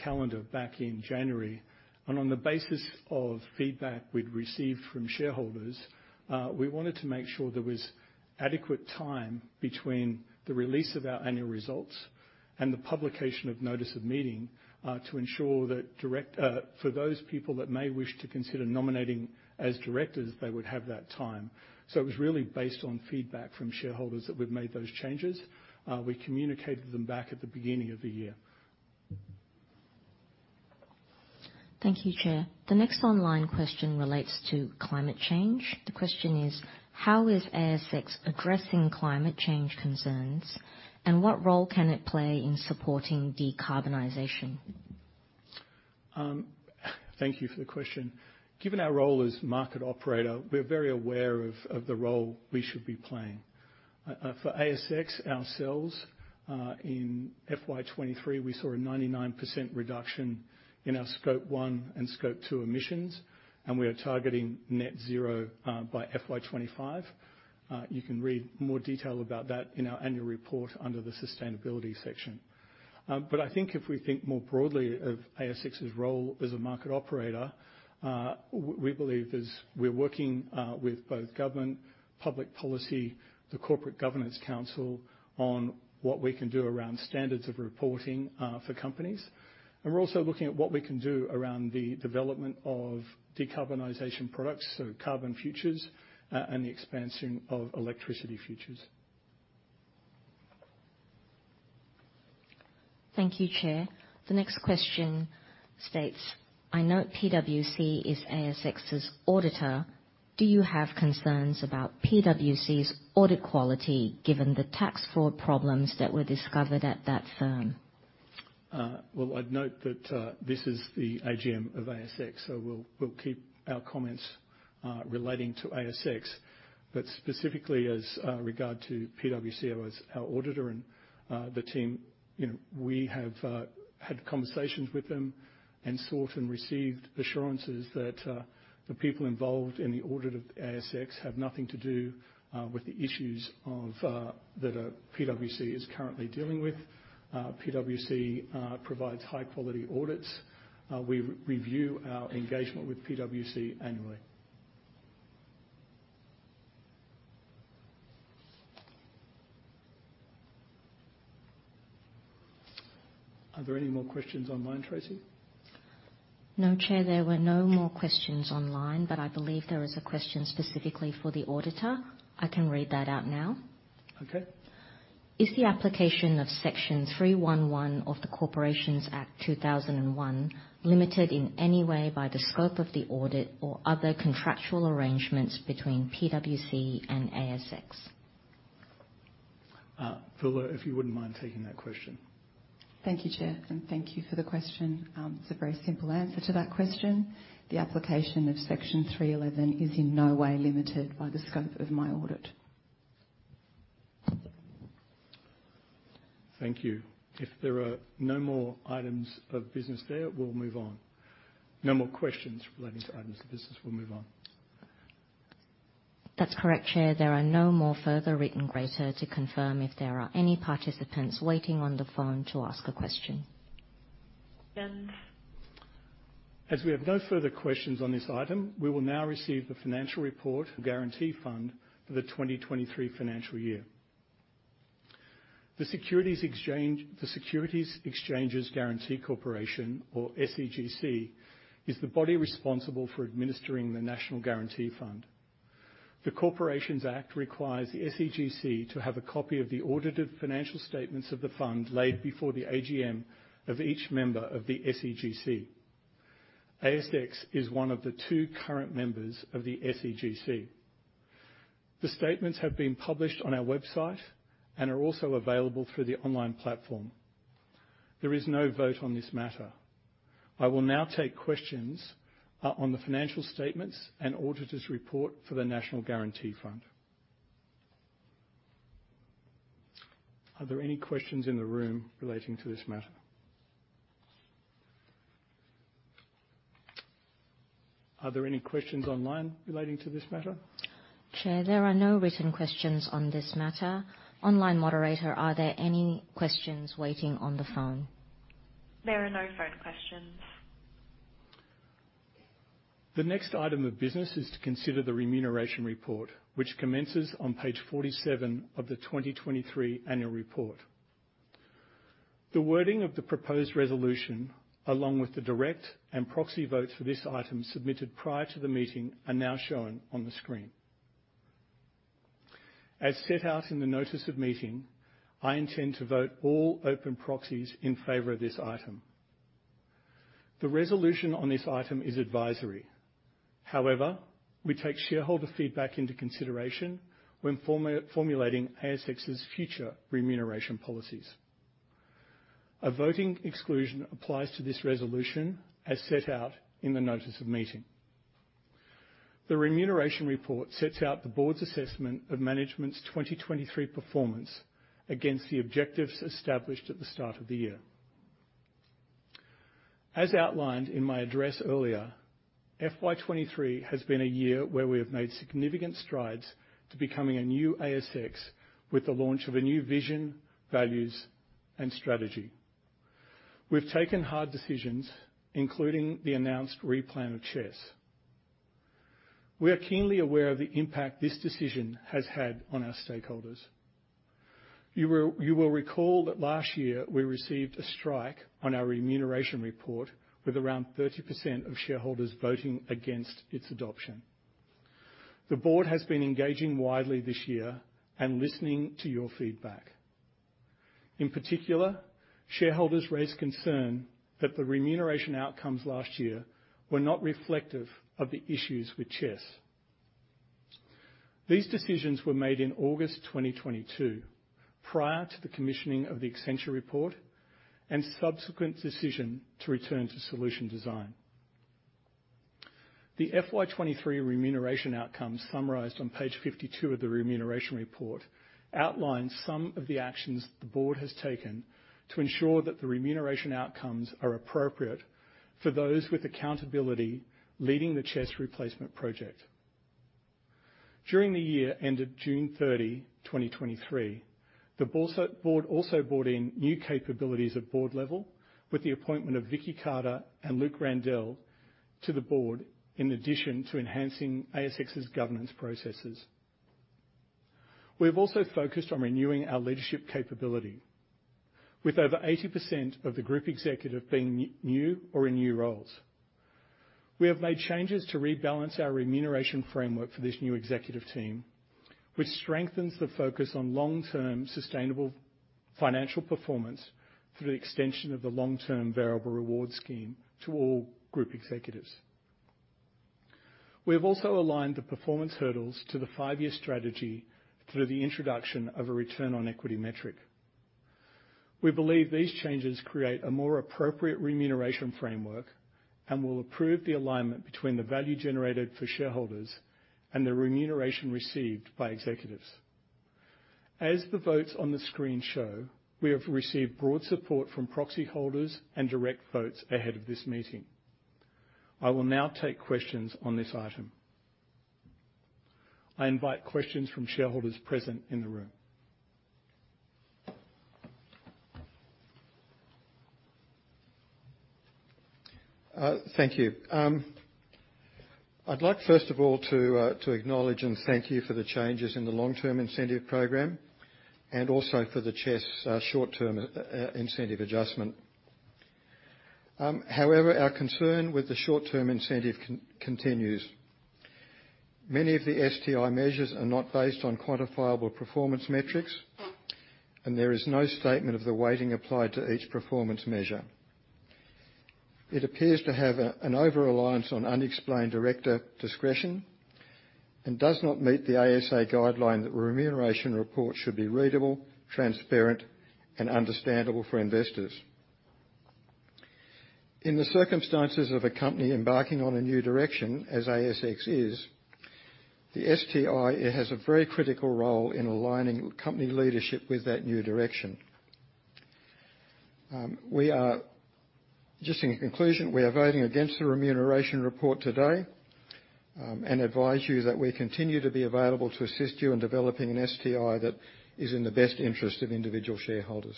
calendar back in January, and on the basis of feedback we'd received from shareholders, we wanted to make sure there was adequate time between the release of our annual results and the publication of notice of meeting to ensure that for those people that may wish to consider nominating as directors, they would have that time. So it was really based on feedback from shareholders that we've made those changes. We communicated them back at the beginning of the year. Thank you, Chair. The next online question relates to climate change. The question is: How is ASX addressing climate change concerns, and what role can it play in supporting decarbonization? Thank you for the question. Given our role as market operator, we're very aware of the role we should be playing. For ASX, ourselves, in FY 2023, we saw a 99% reduction in our Scope One and Scope Two emissions, and we are targeting net zero by FY 2025. You can read more detail about that in our annual report under the Sustainability section. But I think if we think more broadly of ASX's role as a market operator, we believe we're working with both government, public policy, the Corporate Governance Council, on what we can do around standards of reporting for companies. And we're also looking at what we can do around the development of decarbonization products, so carbon futures, and the expansion of electricity futures. Thank you, Chair. The next question states: I note PwC is ASX's auditor. Do you have concerns about PwC's audit quality, given the tax fraud problems that were discovered at that firm? Well, I'd note that this is the AGM of ASX, so we'll keep our comments relating to ASX. But specifically, as regard to PwC as our auditor and the team, you know, we have had conversations with them and sought and received assurances that the people involved in the audit of ASX have nothing to do with the issues of that PwC is currently dealing with. PwC provides high-quality audits. We re-review our engagement with PwC annually. Are there any more questions online, Tracy? No, Chair, there were no more questions online, but I believe there is a question specifically for the auditor. I can read that out now. Okay. Is the application of Section 311 of the Corporations Act 2001 limited in any way by the scope of the audit or other contractual arrangements between PwC and ASX? Phil, if you wouldn't mind taking that question. Thank you, Chair, and thank you for the question. It's a very simple answer to that question. The application of Section 311 is in no way limited by the scope of my audit. Thank you. If there are no more items of business there, we'll move on. No more questions relating to items of business, we'll move on. That's correct, Chair. There are no more further written questions to confirm if there are any participants waiting on the phone to ask a question. And- As we have no further questions on this item, we will now receive the financial report Guarantee Fund for the 2023 financial year. The Securities Exchanges Guarantee Corporation, or SEGC, is the body responsible for administering the National Guarantee Fund. The Corporations Act requires the SEGC to have a copy of the audited financial statements of the fund laid before the AGM of each member of the SEGC. ASX is one of the two current members of the SEGC. The statements have been published on our website and are also available through the online platform. There is no vote on this matter. I will now take questions on the financial statements and Auditor's Report for the National Guarantee Fund. Are there any questions in the room relating to this matter? Are there any questions online relating to this matter? Chair, there are no written questions on this matter. Online moderator, are there any questions waiting on the phone? There are no phone questions. The next item of business is to consider the remuneration report, which commences on page 47 of the 2023 annual report. The wording of the proposed resolution, along with the direct and proxy votes for this item submitted prior to the meeting, are now shown on the screen. As set out in the notice of meeting, I intend to vote all open proxies in favor of this item. The resolution on this item is advisory. However, we take shareholder feedback into consideration when formulating ASX's future remuneration policies. A voting exclusion applies to this resolution, as set out in the notice of meeting. The remuneration report sets out the board's assessment of management's 2023 performance against the objectives established at the start of the year. As outlined in my address earlier, FY 2023 has been a year where we have made significant strides to becoming a new ASX, with the launch of a new vision, values, and strategy. We've taken hard decisions, including the announced replan of CHESS. We are keenly aware of the impact this decision has had on our stakeholders. You will recall that last year we received a strike on our remuneration report, with around 30% of shareholders voting against its adoption. The board has been engaging widely this year and listening to your feedback. In particular, shareholders raised concern that the remuneration outcomes last year were not reflective of the issues with CHESS. These decisions were made in August 2022, prior to the commissioning of the Accenture report and subsequent decision to return to solution design. The FY 2023 remuneration outcomes, summarized on page 52 of the remuneration report, outline some of the actions the board has taken to ensure that the remuneration outcomes are appropriate for those with accountability leading the CHESS replacement project. During the year ended June 30, 2023, the board also brought in new capabilities at board level, with the appointment of Vicki Carter and Luke Randell to the board, in addition to enhancing ASX's governance processes. We've also focused on renewing our leadership capability, with over 80% of the group executive being new or in new roles. We have made changes to rebalance our remuneration framework for this new executive team, which strengthens the focus on long-term, sustainable financial performance through the extension of the long-term variable reward scheme to all group executives. We have also aligned the performance hurdles to the five-year strategy through the introduction of a Return on Equity metric. We believe these changes create a more appropriate remuneration framework and will approve the alignment between the value generated for shareholders and the remuneration received by executives. As the votes on the screen show, we have received broad support from proxy holders and direct votes ahead of this meeting. I will now take questions on this item. I invite questions from shareholders present in the room. Thank you. I'd like, first of all, to acknowledge and thank you for the changes in the long-term incentive program and also for the CHESS short-term incentive adjustment. However, our concern with the short-term incentive continues. Many of the STI measures are not based on quantifiable performance metrics, and there is no statement of the weighting applied to each performance measure. It appears to have an over-reliance on unexplained director discretion and does not meet the ASA guideline that remuneration report should be readable, transparent, and understandable for investors. In the circumstances of a company embarking on a new direction, as ASX is, the STI, it has a very critical role in aligning company leadership with that new direction. Just in conclusion, we are voting against the remuneration report today, and advise you that we continue to be available to assist you in developing an STI that is in the best interest of individual shareholders.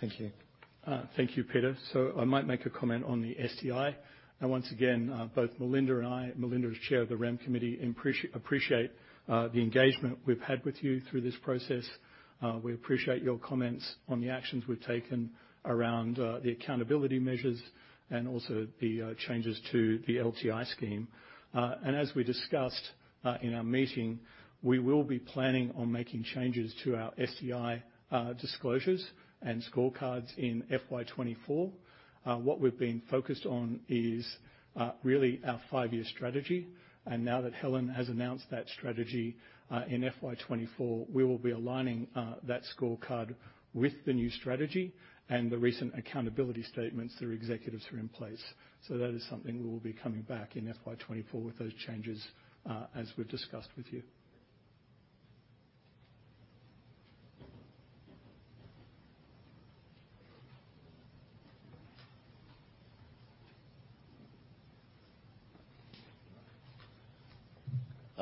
Thank you. Thank you, Peter. So I might make a comment on the STI. And once again, both Melinda and I, Melinda is Chair of the Rem Committee, appreciate the engagement we've had with you through this process. We appreciate your comments on the actions we've taken around the accountability measures and also the changes to the LTI scheme. And as we discussed in our meeting, we will be planning on making changes to our STI disclosures and scorecards in FY 2024. What we've been focused on is really our five-year strategy, and now that Helen has announced that strategy in FY 2024, we will be aligning that scorecard with the new strategy and the recent accountability statements their executives are in place. So that is something we will be coming back in FY 2024 with those changes, as we've discussed with you.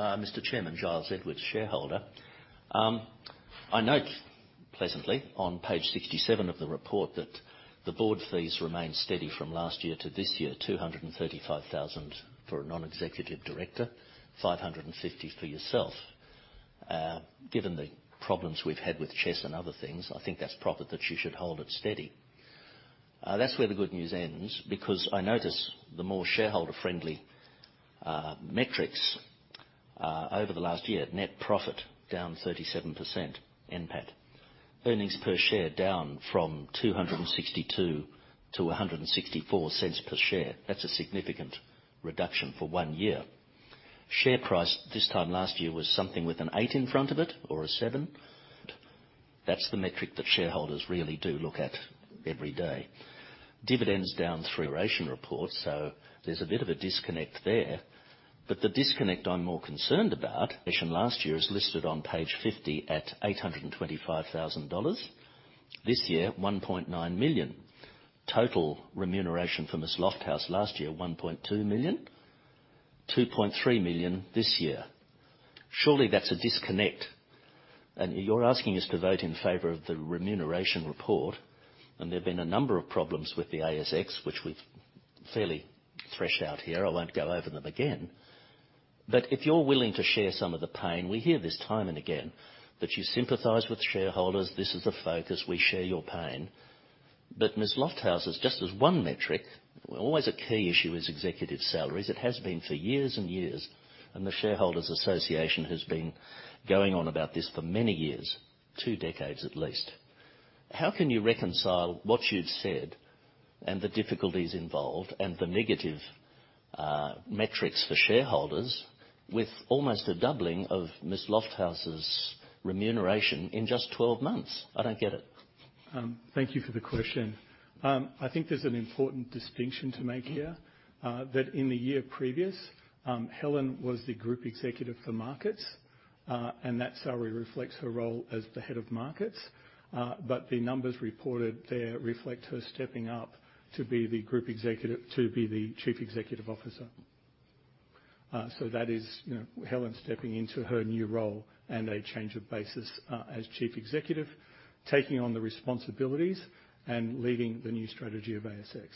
Mr. Chairman, Giles Edwards, shareholder. I note pleasantly on page 67 of the report, that the board fees remain steady from last year to this year, 235,000 for a non-executive director, 550,000 for yourself. That's where the good news ends, because I notice the more shareholder-friendly metrics over the last year, net profit down 37%, NPAT. Earnings per share down from 2.62 to 1.64. That's a significant reduction for one year. Share price this time last year was something with an eight in front of it or a seven. That's the metric that shareholders really do look at every day. Dividends down through remuneration reports, so there's a bit of a disconnect there. But the disconnect I'm more concerned about, and last year is listed on page 50 at 825 thousand dollars. This year, 1.9 million. Total remuneration for Ms. Lofthouse last year, 1.2 million. 2.3 million this year. Surely, that's a disconnect, and you're asking us to vote in favor of the remuneration report, and there have been a number of problems with the ASX, which we've fairly thrashed out here. I won't go over them again. But if you're willing to share some of the pain, we hear this time and again, that you sympathize with shareholders, this is the focus, we share your pain. But Ms. Lofthouse is just one metric. Always a key issue is executive salaries. It has been for years and years, and the Shareholders Association has been going on about this for many years, two decades, at least. How can you reconcile what you've said and the difficulties involved and the negative metrics for shareholders with almost a doubling of Ms. Lofthouse's remuneration in just 12 months? I don't get it. Thank you for the question. I think there's an important distinction to make here. Mm-hmm. That in the year previous, Helen was the Group Executive for Markets, and that salary reflects her role as the Head of Markets. But the numbers reported there reflect her stepping up to be the Group Executive, to be the Chief Executive Officer. So that is, you know, Helen stepping into her new role and a change of basis, as Chief Executive, taking on the responsibilities and leading the new strategy of ASX.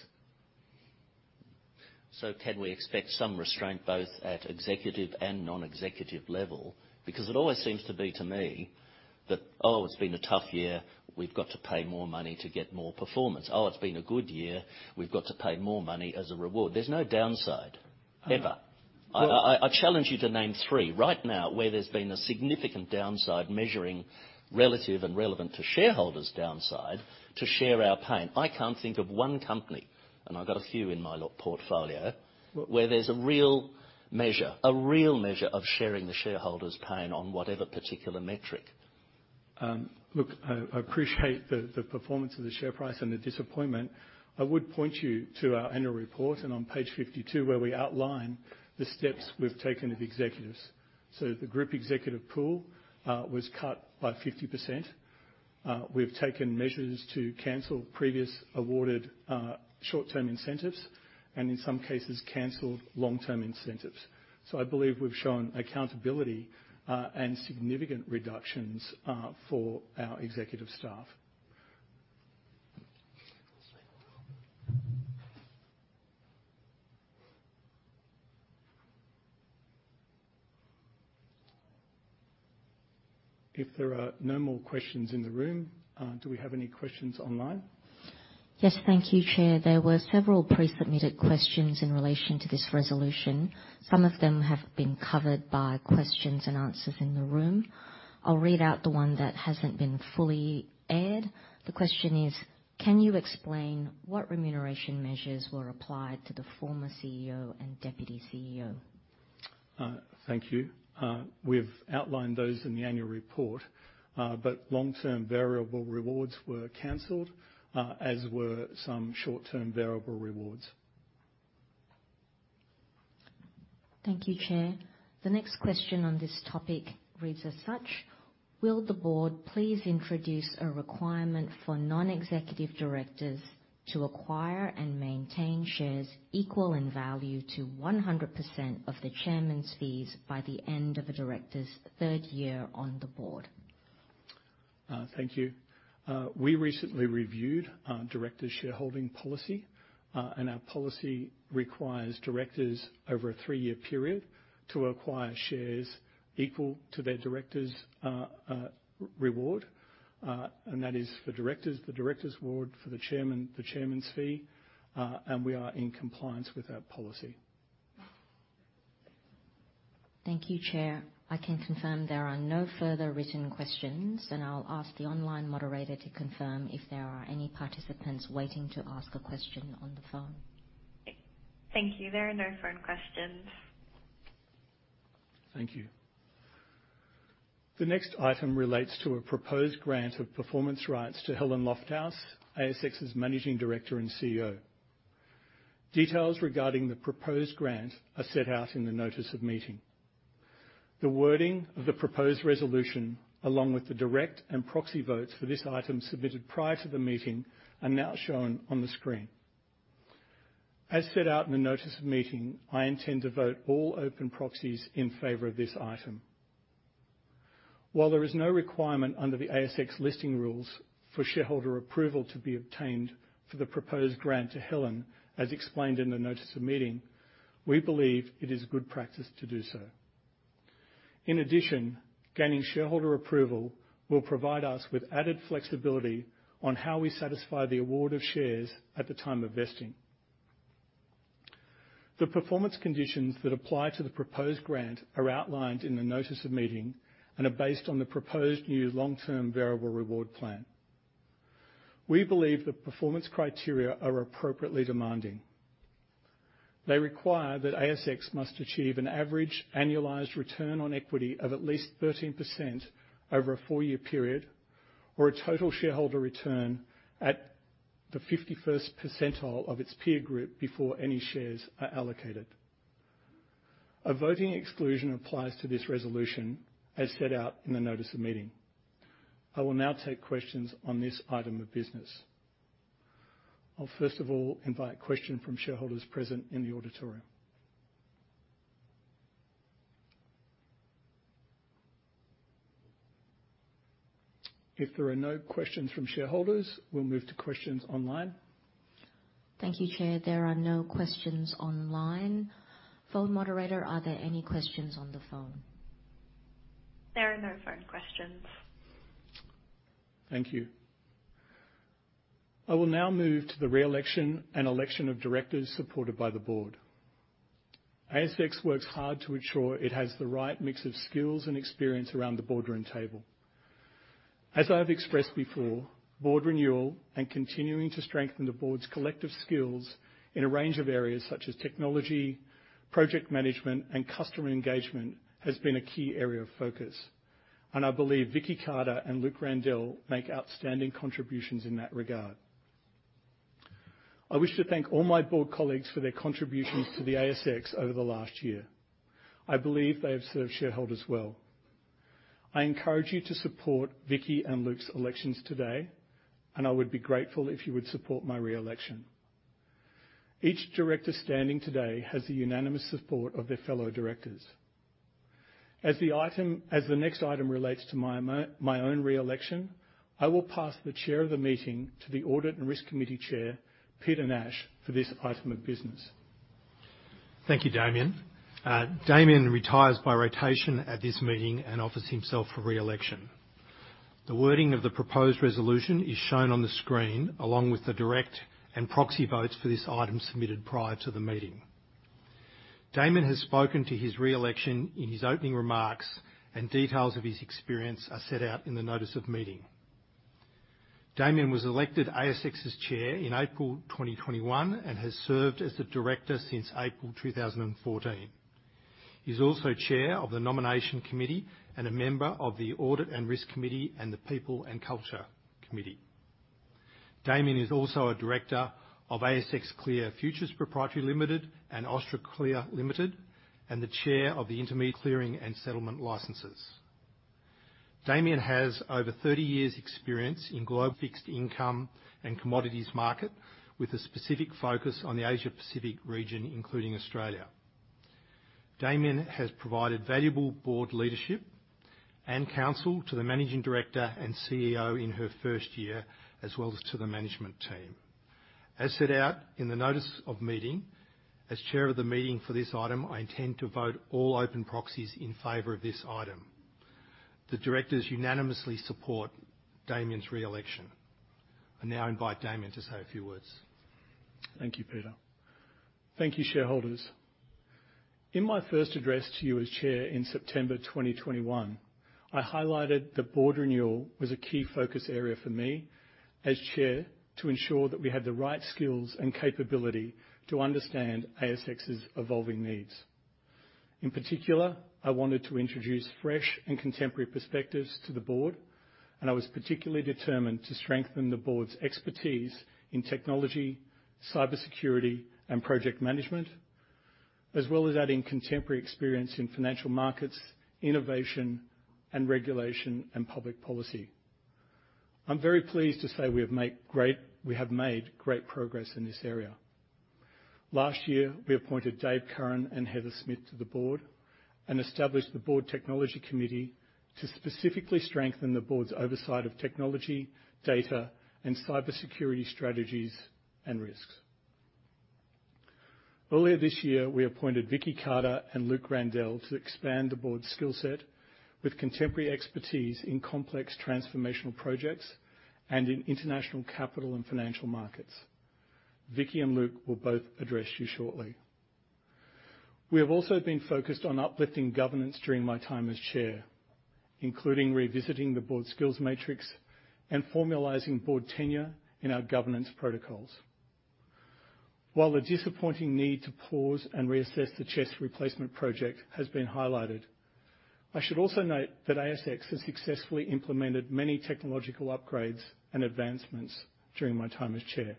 So can we expect some restraint, both at executive and non-executive level? Because it always seems to be, to me, that, oh, it's been a tough year, we've got to pay more money to get more performance. Oh, it's been a good year, we've got to pay more money as a reward. There's no downside, ever. Well- I challenge you to name three right now where there's been a significant downside, measuring relative and relevant to shareholders' downside, to share our pain. I can't think of one company, and I've got a few in my law portfolio- W- where there's a real measure, a real measure of sharing the shareholders' pain on whatever particular metric. Look, I appreciate the performance of the share price and the disappointment. I would point you to our annual report, and on page 52, where we outline the steps we've taken with executives. So the group executive pool was cut by 50%. We've taken measures to cancel previous awarded short-term incentives and in some cases, canceled long-term incentives. So I believe we've shown accountability and significant reductions for our executive staff. If there are no more questions in the room, do we have any questions online? Yes, thank you, Chair. There were several pre-submitted questions in relation to this resolution. Some of them have been covered by questions and answers in the room. I'll read out the one that hasn't been fully aired. The question is: Can you explain what remuneration measures were applied to the former CEO and deputy CEO? Thank you. We've outlined those in the annual report, but long-term variable rewards were canceled, as were some short-term variable rewards. Thank you, Chair. The next question on this topic reads as such: Will the board please introduce a requirement for non-executive directors to acquire and maintain shares equal in value to 100% of the chairman's fees by the end of a director's third year on the board? Thank you. We recently reviewed our directors' shareholding policy, and our policy requires directors over a three-year period to acquire shares equal to their directors' reward. And that is for directors, the director's award, for the chairman, the chairman's fee, and we are in compliance with our policy. Thank you, Chair. I can confirm there are no further written questions, and I'll ask the online moderator to confirm if there are any participants waiting to ask a question on the phone. Thank you. There are no phone questions. Thank you. The next item relates to a proposed grant of performance rights to Helen Lofthouse, ASX's Managing Director and CEO. Details regarding the proposed grant are set out in the notice of meeting. The wording of the proposed resolution, along with the direct and proxy votes for this item submitted prior to the meeting, are now shown on the screen. As set out in the notice of meeting, I intend to vote all open proxies in favor of this item. While there is no requirement under the ASX listing rules for shareholder approval to be obtained for the proposed grant to Helen, as explained in the notice of meeting, we believe it is good practice to do so.... In addition, gaining shareholder approval will provide us with added flexibility on how we satisfy the award of shares at the time of vesting. The performance conditions that apply to the proposed grant are outlined in the notice of meeting, and are based on the proposed new long-term variable reward plan. We believe the performance criteria are appropriately demanding. They require that ASX must achieve an average annualized return on equity of at least 13% over a four-year period, or a total shareholder return at the 51st percentile of its peer group before any shares are allocated. A voting exclusion applies to this resolution, as set out in the notice of meeting. I will now take questions on this item of business. I'll first of all invite question from shareholders present in the auditorium. If there are no questions from shareholders, we'll move to questions online. Thank you, Chair. There are no questions online. Phone moderator, are there any questions on the phone? There are no phone questions. Thank you. I will now move to the re-election and election of directors supported by the board. ASX works hard to ensure it has the right mix of skills and experience around the boardroom table. As I have expressed before, board renewal and continuing to strengthen the board's collective skills in a range of areas such as technology, project management, and customer engagement, has been a key area of focus, and I believe Vicki Carter and Luke Randell make outstanding contributions in that regard. I wish to thank all my board colleagues for their contributions to the ASX over the last year. I believe they have served shareholders well. I encourage you to support Vicki and Luke's elections today, and I would be grateful if you would support my re-election. Each director standing today has the unanimous support of their fellow directors. As the next item relates to my own re-election, I will pass the chair of the meeting to the Audit and Risk Committee Chair, Peter Nash, for this item of business. Thank you, Damian. Damian retires by rotation at this meeting and offers himself for re-election. The wording of the proposed resolution is shown on the screen, along with the direct and proxy votes for this item submitted prior to the meeting. Damian has spoken to his re-election in his opening remarks, and details of his experience are set out in the Notice of Meeting. Damian was elected ASX's Chair in April 2021, and has served as a director since April 2014. He's also Chair of the Nomination Committee and a member of the Audit and Risk Committee, and the People and Culture Committee. Damian is also a director of ASX Clear (Futures) Pty Limited and ASX Clear Pty Limited, and the Chair of the independent clearing and settlement licensees. Damian has over 30 years' experience in global fixed income and commodities market, with a specific focus on the Asia-Pacific region, including Australia. Damian has provided valuable board leadership and counsel to the Managing Director and CEO in her first year, as well as to the management team. As set out in the notice of meeting, as chair of the meeting for this item, I intend to vote all open proxies in favor of this item. The directors unanimously support Damian's re-election. I now invite Damian to say a few words. Thank you, Peter. Thank you, shareholders. In my first address to you as chair in September 2021, I highlighted that board renewal was a key focus area for me as chair, to ensure that we had the right skills and capability to understand ASX's evolving needs. In particular, I wanted to introduce fresh and contemporary perspectives to the board, and I was particularly determined to strengthen the board's expertise in technology, cybersecurity, and project management, as well as adding contemporary experience in financial markets, innovation, and regulation, and public policy. I'm very pleased to say we have made great progress in this area. Last year, we appointed Dave Curran and Heather Smith to the board, and established the Board Technology Committee to specifically strengthen the board's oversight of technology, data, and cybersecurity strategies and risks. Earlier this year, we appointed Vicki Carter and Luke Randell to expand the board's skill set with contemporary expertise in complex transformational projects and in international capital and financial markets. Vicki and Luke will both address you shortly. We have also been focused on uplifting governance during my time as chair, including revisiting the Board Skills Matrix and formalizing board tenure in our governance protocols. While the disappointing need to pause and reassess the CHESS replacement project has been highlighted, I should also note that ASX has successfully implemented many technological upgrades and advancements during my time as chair.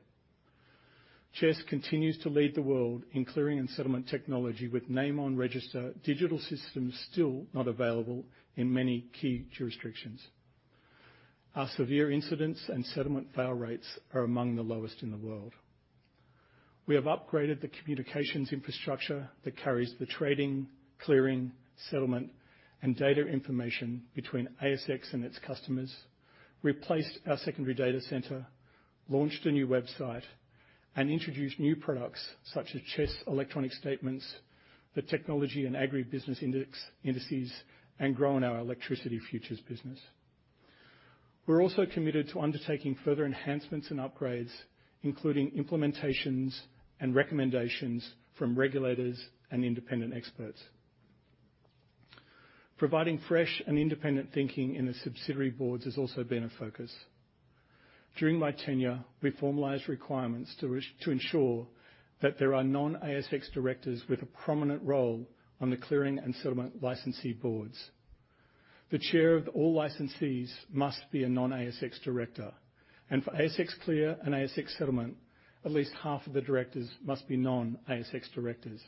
CHESS continues to lead the world in clearing and settlement technology with name-on register digital systems still not available in many key jurisdictions. Our severe incidents and settlement fail rates are among the lowest in the world. We have upgraded the communications infrastructure that carries the trading, clearing, settlement, and data information between ASX and its customers, replaced our secondary data center, launched a new website, and introduced new products such as CHESS electronic statements, the Technology and Agribusiness Index, indices, and grown our electricity futures business.... We’re also committed to undertaking further enhancements and upgrades, including implementations and recommendations from regulators and independent experts. Providing fresh and independent thinking in the subsidiary boards has also been a focus. During my tenure, we formalized requirements to ensure that there are non-ASX directors with a prominent role on the clearing and settlement licensee boards. The Chair of all licensees must be a non-ASX director, and for ASX Clear and ASX Settlement, at least half of the directors must be non-ASX directors.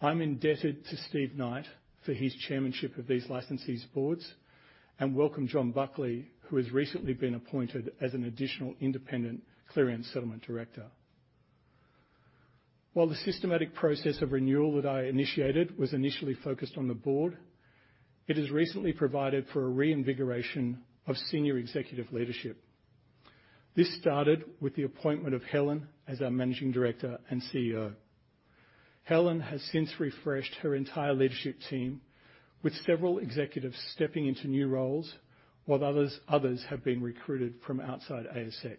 I'm indebted to Steve Knight for his chairmanship of these licensees boards, and welcome John Buckley, who has recently been appointed as an additional independent clearing and settlement director. While the systematic process of renewal that I initiated was initially focused on the board, it has recently provided for a reinvigoration of senior executive leadership. This started with the appointment of Helen as our Managing Director and CEO. Helen has since refreshed her entire leadership team, with several executives stepping into new roles, while others, others have been recruited from outside ASX.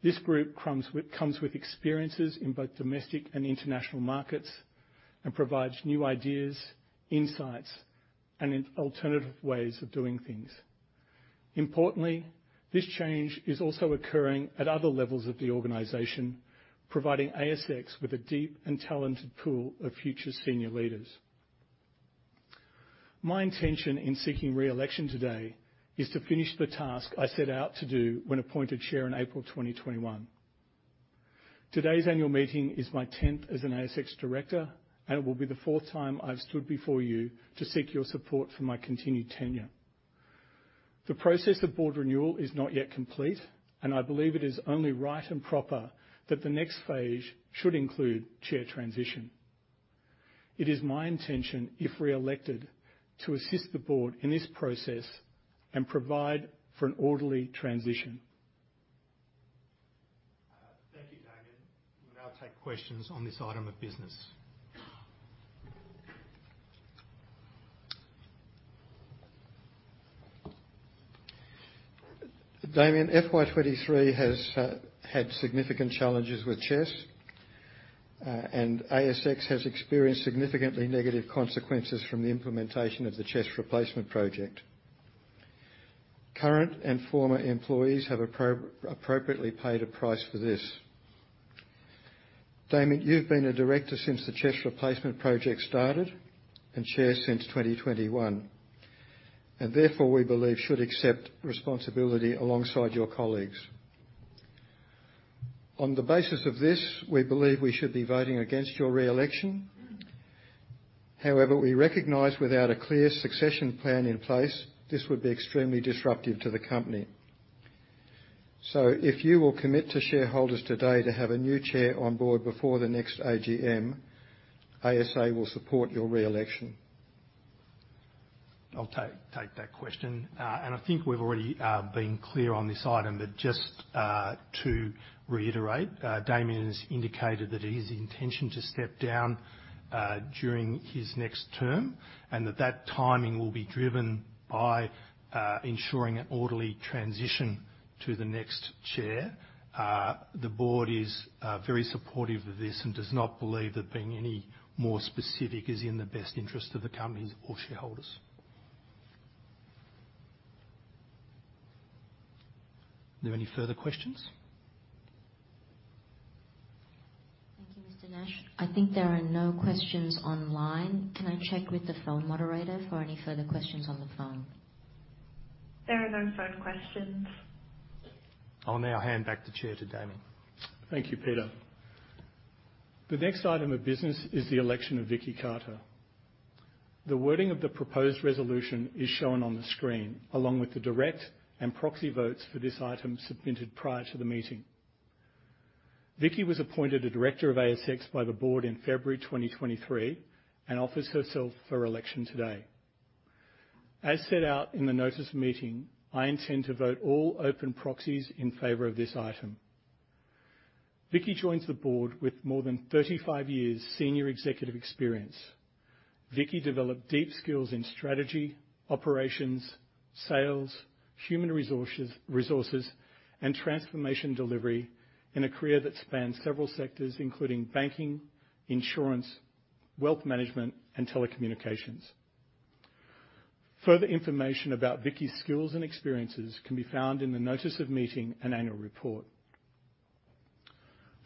This group comes with experiences in both domestic and international markets and provides new ideas, insights, and in alternative ways of doing things. Importantly, this change is also occurring at other levels of the organization, providing ASX with a deep and talented pool of future senior leaders. My intention in seeking re-election today is to finish the task I set out to do when appointed Chair in April 2021. Today's annual meeting is my 10th as an ASX director, and it will be the fourth time I've stood before you to seek your support for my continued tenure. The process of board renewal is not yet complete, and I believe it is only right and proper that the next phase should include chair transition. It is my intention, if re-elected, to assist the board in this process and provide for an orderly transition. Thank you, Damian. We'll now take questions on this item of business. Damian, FY 2023 has had significant challenges with CHESS, and ASX has experienced significantly negative consequences from the implementation of the CHESS Replacement project. Current and former employees have appropriately paid a price for this. Damian, you've been a director since the CHESS Replacement project started and chair since 2021, and therefore, we believe should accept responsibility alongside your colleagues. On the basis of this, we believe we should be voting against your re-election. However, we recognize without a clear succession plan in place, this would be extremely disruptive to the company. So if you will commit to shareholders today to have a new chair on board before the next AGM, ASA will support your re-election. I'll take that question. And I think we've already been clear on this item, but just to reiterate, Damian has indicated that it is his intention to step down during his next term, and that that timing will be driven by ensuring an orderly transition to the next chair. The board is very supportive of this and does not believe that being any more specific is in the best interest of the companies or shareholders. Are there any further questions? Thank you, Mr. Nash. I think there are no questions online. Can I check with the phone moderator for any further questions on the phone? There are no phone questions. I'll now hand back the chair to Damian. Thank you, Peter. The next item of business is the election of Vicki Carter. The wording of the proposed resolution is shown on the screen, along with the direct and proxy votes for this item submitted prior to the meeting. Vicki was appointed a director of ASX by the board in February 2023 and offers herself for election today. As set out in the notice of meeting, I intend to vote all open proxies in favor of this item. Vicki joins the board with more than 35 years senior executive experience. Vicki developed deep skills in strategy, operations, sales, human resources, resources, and transformation delivery in a career that spans several sectors, including banking, insurance, wealth management, and telecommunications. Further information about Vicki's skills and experiences can be found in the notice of meeting and annual report.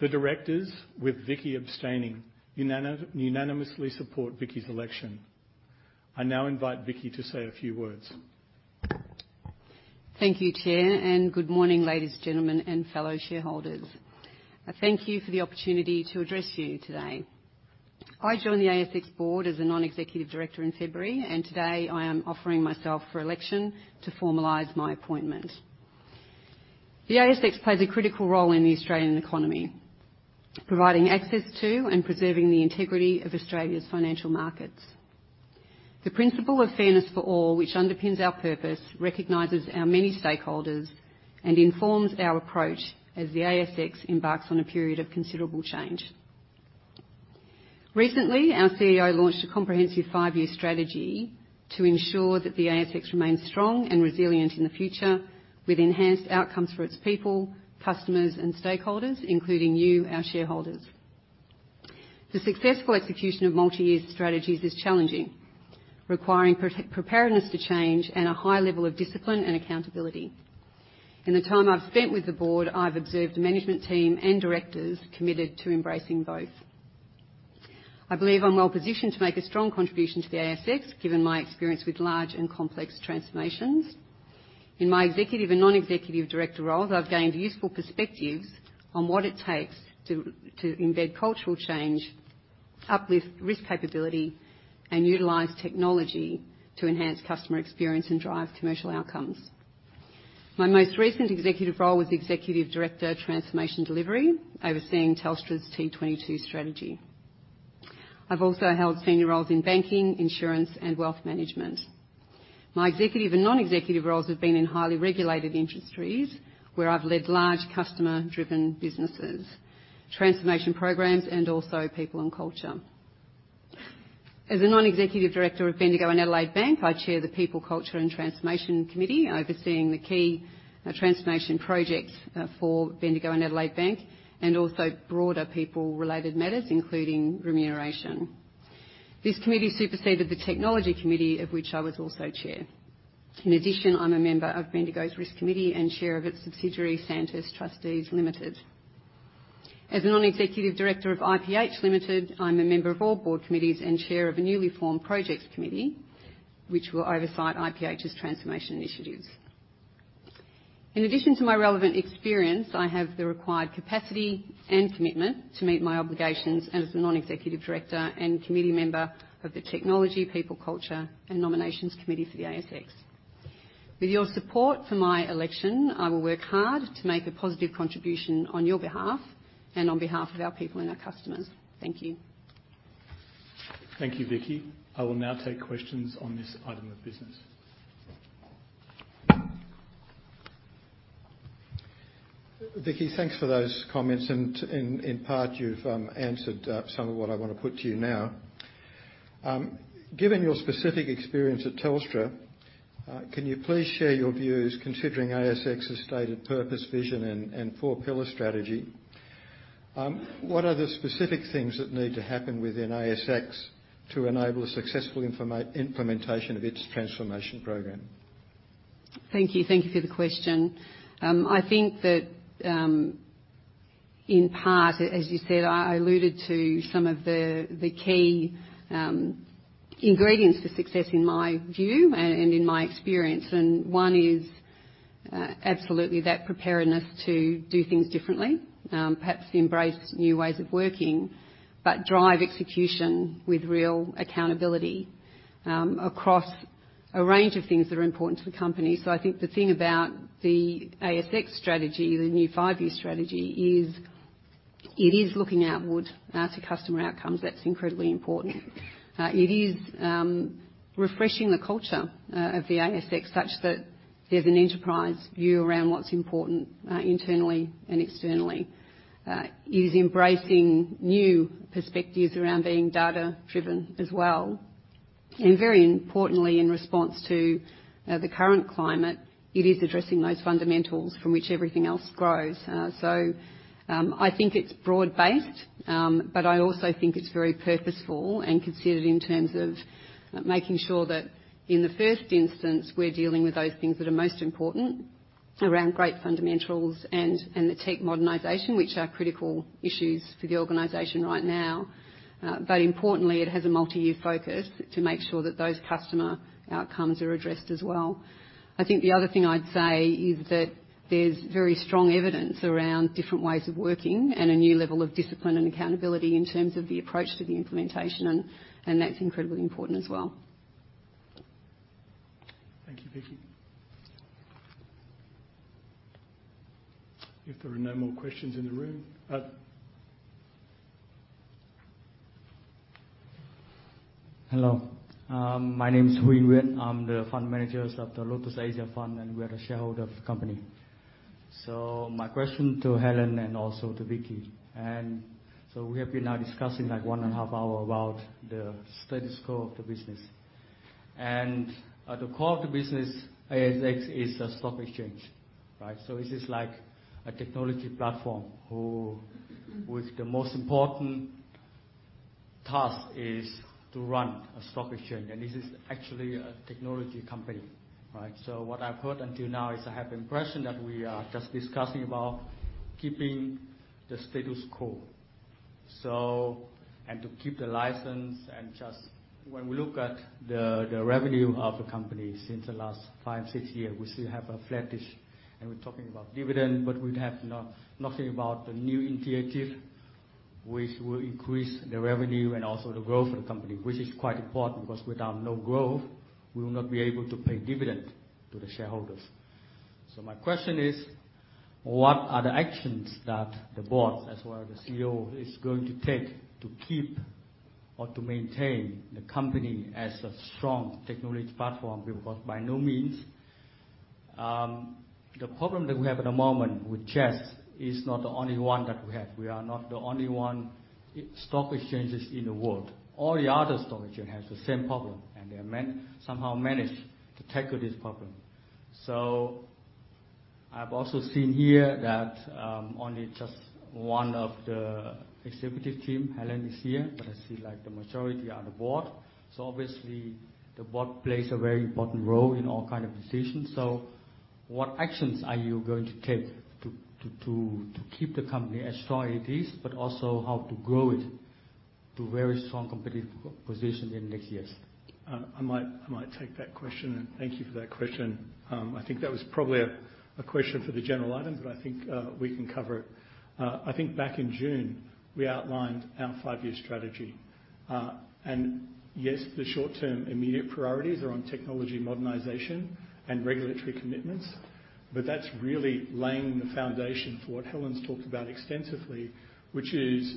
The directors, with Vicki abstaining, unanimously support Vicki's election. I now invite Vicki to say a few words. Thank you, Chair, and good morning, ladies and gentlemen, and fellow shareholders. I thank you for the opportunity to address you today. I joined the ASX board as a non-executive director in February, and today I am offering myself for election to formalize my appointment. The ASX plays a critical role in the Australian economy, providing access to and preserving the integrity of Australia's financial markets. The principle of fairness for all, which underpins our purpose, recognizes our many stakeholders and informs our approach as the ASX embarks on a period of considerable change.... Recently, our CEO launched a comprehensive five-year strategy to ensure that the ASX remains strong and resilient in the future, with enhanced outcomes for its people, customers, and stakeholders, including you, our shareholders. The successful execution of multi-year strategies is challenging, requiring preparedness to change and a high level of discipline and accountability. In the time I've spent with the board, I've observed a management team and directors committed to embracing both. I believe I'm well-positioned to make a strong contribution to the ASX, given my experience with large and complex transformations. In my executive and non-executive director roles, I've gained useful perspectives on what it takes to embed cultural change, uplift risk capability, and utilize technology to enhance customer experience and drive commercial outcomes. My most recent executive role was Executive Director, Transformation Delivery, overseeing Telstra's T22 strategy. I've also held senior roles in banking, insurance, and wealth management. My executive and non-executive roles have been in highly regulated industries, where I've led large customer-driven businesses, transformation programs, and also people and culture. As a non-executive director of Bendigo and Adelaide Bank, I chair the People, Culture and Transformation Committee, overseeing the key transformation projects for Bendigo and Adelaide Bank, and also broader people-related matters, including remuneration. This committee superseded the technology committee, of which I was also chair. In addition, I'm a member of Bendigo's Risk Committee and chair of its subsidiary, Sandhurst Trustees Limited. As a non-executive director of IPH Limited, I'm a member of all board committees and chair of a newly formed projects committee, which will oversight IPH's transformation initiatives. In addition to my relevant experience, I have the required capacity and commitment to meet my obligations as a non-executive director and committee member of the Technology, People, Culture, and Nominations Committee for the ASX. With your support for my election, I will work hard to make a positive contribution on your behalf and on behalf of our people and our customers. Thank you. Thank you, Vicki. I will now take questions on this item of business. Vicki, thanks for those comments, and in part, you've answered some of what I want to put to you now. Given your specific experience at Telstra, can you please share your views, considering ASX's stated purpose, vision, and four-pillar strategy? What are the specific things that need to happen within ASX to enable a successful implementation of its transformation program? Thank you. Thank you for the question. I think that, in part, as you said, I alluded to some of the key ingredients for success in my view and in my experience, and one is absolutely that preparedness to do things differently. Perhaps embrace new ways of working, but drive execution with real accountability across a range of things that are important to the company. So I think the thing about the ASX strategy, the new five-year strategy, is it is looking outward to customer outcomes. That's incredibly important. It is refreshing the culture of the ASX, such that there's an enterprise view around what's important internally and externally. It is embracing new perspectives around being data-driven as well. And very importantly, in response to the current climate, it is addressing those fundamentals from which everything else grows. So, I think it's broad-based, but I also think it's very purposeful and considered in terms of making sure that in the first instance, we're dealing with those things that are most important around great fundamentals and the tech modernization, which are critical issues for the organization right now. But importantly, it has a multi-year focus to make sure that those customer outcomes are addressed as well. I think the other thing I'd say is that there's very strong evidence around different ways of working and a new level of discipline and accountability in terms of the approach to the implementation, and that's incredibly important as well. Thank you, Vicki. If there are no more questions in the room, Hello. My name is Nguyen Nguyen. I'm the fund managers of the Lotus Asia Fund, and we are a shareholder of the company. So my question to Helen and also to Vicki, and so we have been now discussing, like, 1.5 hours about the status quo of the business. And the core of the business, ASX, is a stock exchange, right? So this is like a technology platform, who with the most important task is to run a stock exchange, and this is actually a technology company, right? So what I've heard until now is I have the impression that we are just discussing about keeping the status quo. So and to keep the license and just... When we look at the revenue of the company since the last five, six, years, we still have a flattish, and we're talking about dividend, but we have nothing about the new initiative, which will increase the revenue and also the growth of the company. Which is quite important, because without no growth, we will not be able to pay dividend to the shareholders. So my question is: What are the actions that the board, as well as the CEO, is going to take to keep or to maintain the company as a strong technology platform? Because by no means the problem that we have at the moment with CHESS is not the only one that we have. We are not the only one, stock exchanges in the world. All the other stock exchange has the same problem, and they managed somehow to tackle this problem. I've also seen here that only just one of the executive team, Helen, is here, but I see, like, the majority are the board. So obviously, the board plays a very important role in all kind of decisions. So what actions are you going to take to keep the company as strong as it is, but also how to grow it to very strong competitive position in next years? I might take that question, and thank you for that question. I think that was probably a question for the general item, but I think we can cover it. I think back in June, we outlined our five-year strategy. And yes, the short-term immediate priorities are on technology modernization and regulatory commitments, but that's really laying the foundation for what Helen's talked about extensively, which is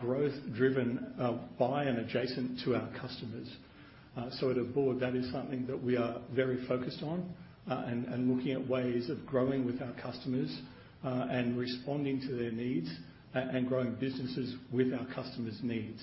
growth driven by and adjacent to our customers. So at a board, that is something that we are very focused on, and looking at ways of growing with our customers, and responding to their needs, and growing businesses with our customers' needs.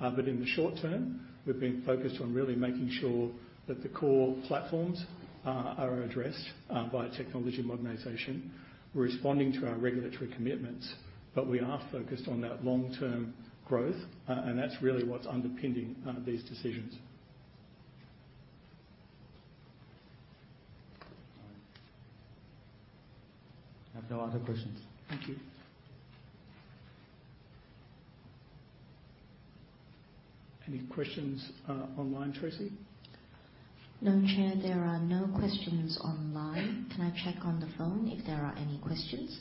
But in the short term, we've been focused on really making sure that the core platforms are addressed via technology modernization. We're responding to our regulatory commitments, but we are focused on that long-term growth, and that's really what's underpinning these decisions. I have no other questions. Thank you. Any questions, online, Tracy? No, Chair, there are no questions online. Can I check on the phone if there are any questions?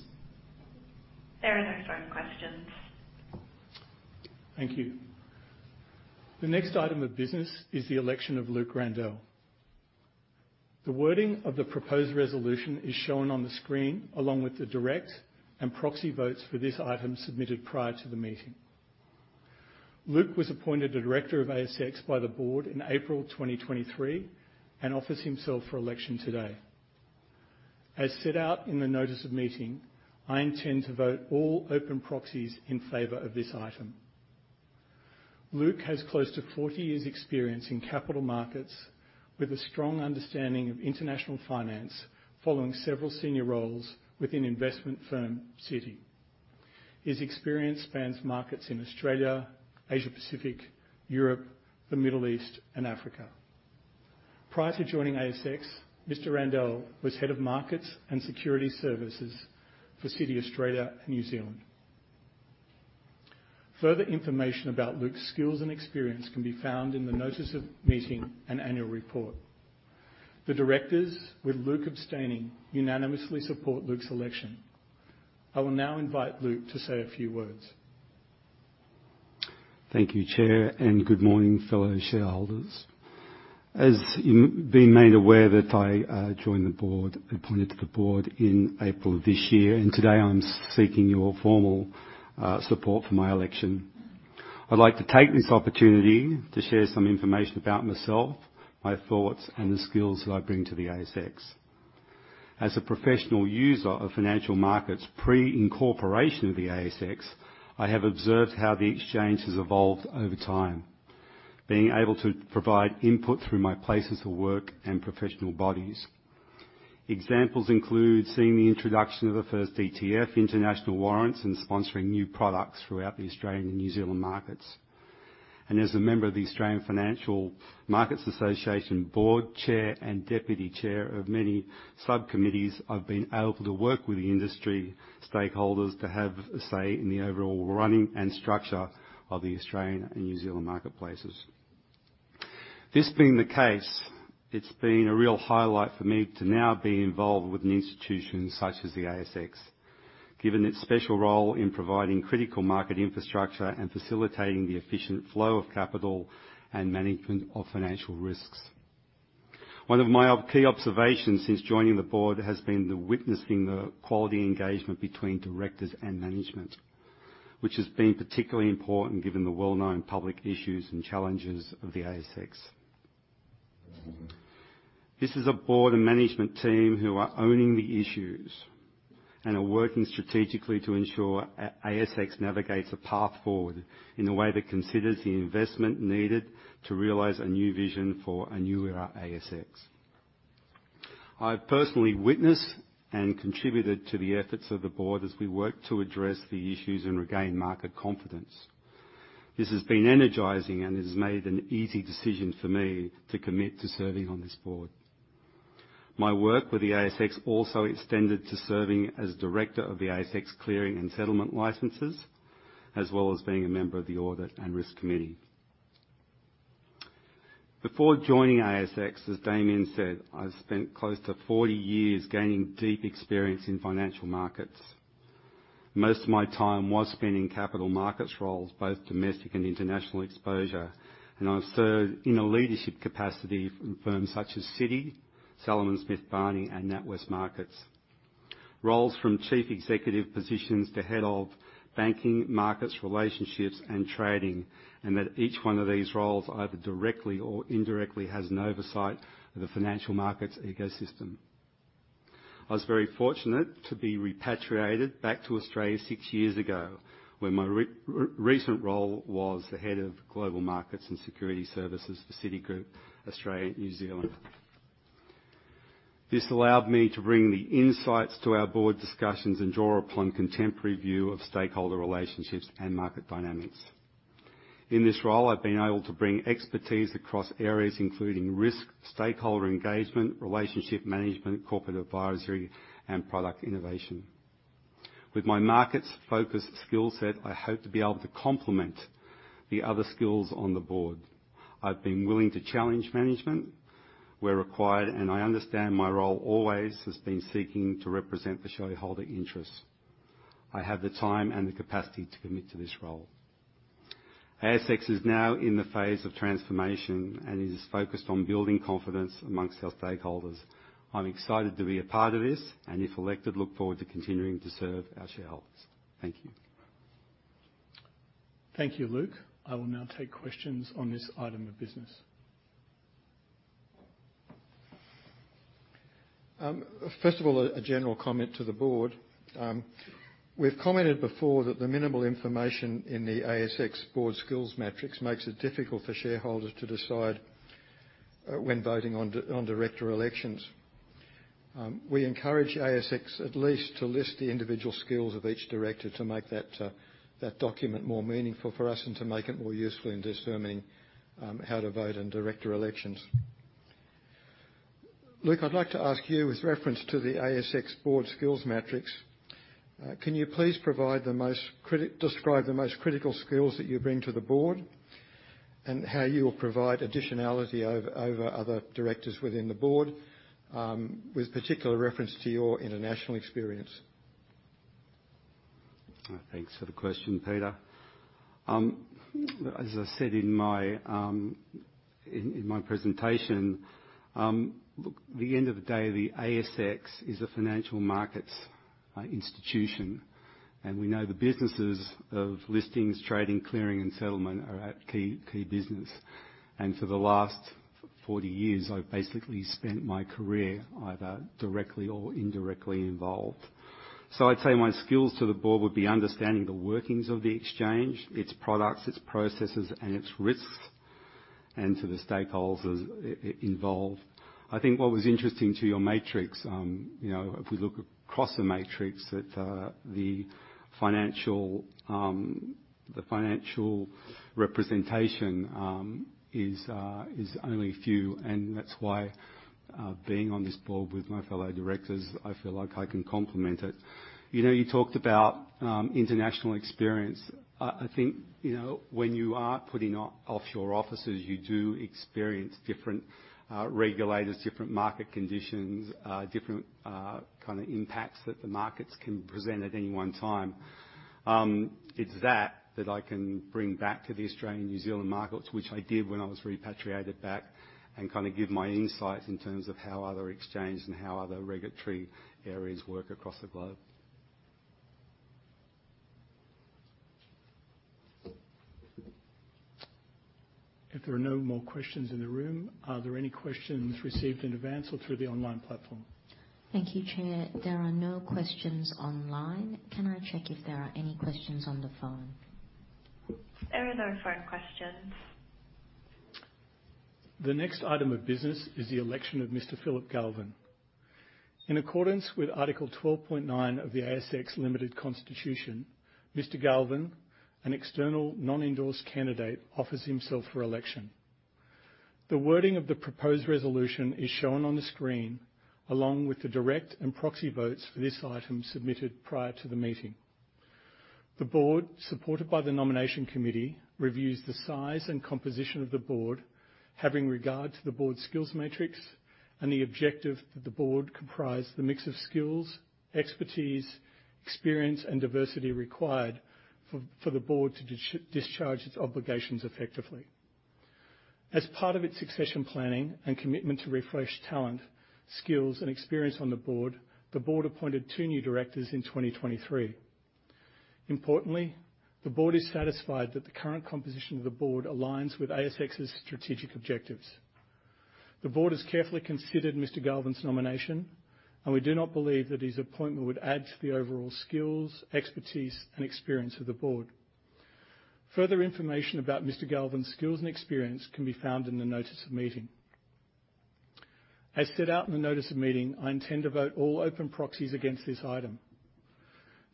There are no phone questions. Thank you. The next item of business is the election of Luke Randell. The wording of the proposed resolution is shown on the screen, along with the direct and proxy votes for this item submitted prior to the meeting. Luke was appointed a director of ASX by the board in April 2023, and offers himself for election today. As set out in the notice of meeting, I intend to vote all open proxies in favor of this item. Luke has close to 40 years' experience in capital markets, with a strong understanding of international finance, following several senior roles within investment firm Citi. His experience spans markets in Australia, Asia-Pacific, Europe, the Middle East, and Africa. Prior to joining ASX, Mr. Randell was Head of Markets and Securities Services for Citi Australia and New Zealand. Further information about Luke's skills and experience can be found in the notice of meeting and annual report. The directors, with Luke abstaining, unanimously support Luke's election. I will now invite Luke to say a few words. Thank you, Chair, and good morning, fellow shareholders. As you've been made aware, that I joined the board, appointed to the board in April of this year, and today I'm seeking your formal support for my election. I'd like to take this opportunity to share some information about myself, my thoughts, and the skills that I bring to the ASX. As a professional user of financial markets pre-incorporation of the ASX, I have observed how the exchange has evolved over time, being able to provide input through my places of work and professional bodies. Examples include seeing the introduction of the first ETF, international warrants, and sponsoring new products throughout the Australian and New Zealand markets. As a member of the Australian Financial Markets Association board, chair and deputy chair of many subcommittees, I've been able to work with the industry stakeholders to have a say in the overall running and structure of the Australian and New Zealand marketplaces. This being the case, it's been a real highlight for me to now be involved with an institution such as the ASX, given its special role in providing critical market infrastructure and facilitating the efficient flow of capital and management of financial risks. One of my key observations since joining the board has been witnessing the quality engagement between directors and management, which has been particularly important given the well-known public issues and challenges of the ASX. This is a board and management team who are owning the issues and are working strategically to ensure ASX navigates a path forward in a way that considers the investment needed to realize a new vision for a newer ASX. I've personally witnessed and contributed to the efforts of the board as we work to address the issues and regain market confidence. This has been energizing, and it has made an easy decision for me to commit to serving on this board. My work with the ASX also extended to serving as director of the ASX clearing and settlement licensees, as well as being a member of the Audit and Risk Committee. Before joining ASX, as Damian said, I spent close to 40 years gaining deep experience in financial markets. Most of my time was spent in capital markets roles, both domestic and international exposure, and I served in a leadership capacity for firms such as Citi, Salomon Smith Barney, and NatWest Markets.... roles from chief executive positions to head of banking, markets, relationships, and trading, and that each one of these roles, either directly or indirectly, has an oversight of the financial markets ecosystem. I was very fortunate to be repatriated back to Australia six years ago, where my recent role was the Head of Global Markets and Securities Services for Citigroup, Australia, New Zealand. This allowed me to bring the insights to our board discussions and draw upon contemporary view of stakeholder relationships and market dynamics. In this role, I've been able to bring expertise across areas including risk, stakeholder engagement, relationship management, corporate advisory, and product innovation. With my markets-focused skill set, I hope to be able to complement the other skills on the board. I've been willing to challenge management where required, and I understand my role always has been seeking to represent the shareholder interests. I have the time and the capacity to commit to this role. ASX is now in the phase of transformation and is focused on building confidence amongst our stakeholders. I'm excited to be a part of this, and if elected, look forward to continuing to serve our shareholders. Thank you. Thank you, Luke. I will now take questions on this item of business. First of all, a general comment to the board. We've commented before that the minimal information in the ASX board skills matrix makes it difficult for shareholders to decide when voting on director elections. We encourage ASX at least to list the individual skills of each director to make that document more meaningful for us and to make it more useful in discerning how to vote in director elections. Luke, I'd like to ask you, with reference to the ASX board skills matrix, can you please describe the most critical skills that you bring to the board, and how you will provide additionality over other directors within the board, with particular reference to your international experience? Thanks for the question, Peter. As I said in my presentation, look, at the end of the day, the ASX is a financial markets institution, and we know the businesses of listings, trading, clearing, and settlement are our key, key business. For the last 40 years, I've basically spent my career either directly or indirectly involved. So I'd say my skills to the board would be understanding the workings of the exchange, its products, its processes, and its risks, and to the stakeholders involved. I think what was interesting to your matrix, you know, if we look across the matrix, that the financial representation is only a few, and that's why, being on this board with my fellow directors, I feel like I can complement it. You know, you talked about international experience. I think, you know, when you are putting offshore offices, you do experience different regulators, different market conditions, different kind of impacts that the markets can present at any one time. It's that I can bring back to the Australian, New Zealand markets, which I did when I was repatriated back, and kind of give my insights in terms of how other exchanges and how other regulatory areas work across the globe. If there are no more questions in the room, are there any questions received in advance or through the online platform? Thank you, Chair. There are no questions online. Can I check if there are any questions on the phone? There are no phone questions. The next item of business is the election of Mr. Philip Galvin. In accordance with Article 12.9 of the ASX Limited Constitution, Mr. Galvin, an external, non-endorsed candidate, offers himself for election. The wording of the proposed resolution is shown on the screen, along with the direct and proxy votes for this item submitted prior to the meeting. The board, supported by the nomination committee, reviews the size and composition of the board, having regard to the board's skills matrix and the objective that the board comprise the mix of skills, expertise, experience, and diversity required for the board to discharge its obligations effectively. As part of its succession planning and commitment to refresh talent, skills, and experience on the board, the board appointed two new directors in 2023. Importantly, the board is satisfied that the current composition of the board aligns with ASX's strategic objectives. The board has carefully considered Mr. Galvin's nomination, and we do not believe that his appointment would add to the overall skills, expertise, and experience of the board. Further information about Mr. Galvin's skills and experience can be found in the notice of meeting. As set out in the notice of meeting, I intend to vote all open proxies against this item.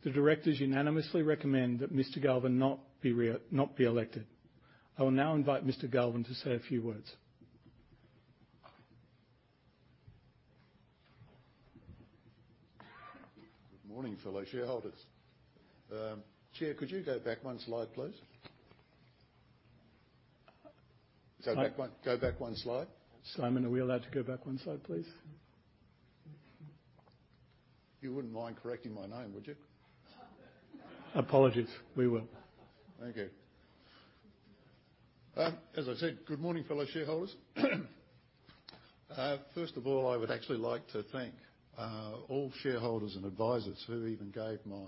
The directors unanimously recommend that Mr. Galvin not be elected. I will now invite Mr. Galvin to say a few words. Good morning, fellow shareholders. Chair, could you go back one slide, please? I- Go back one, go back one slide. Simon, are we allowed to go back one slide, please? You wouldn't mind correcting my name, would you? Apologies. We will. Thank you.... As I said, good morning, fellow shareholders. First of all, I would actually like to thank all shareholders and advisers who even gave my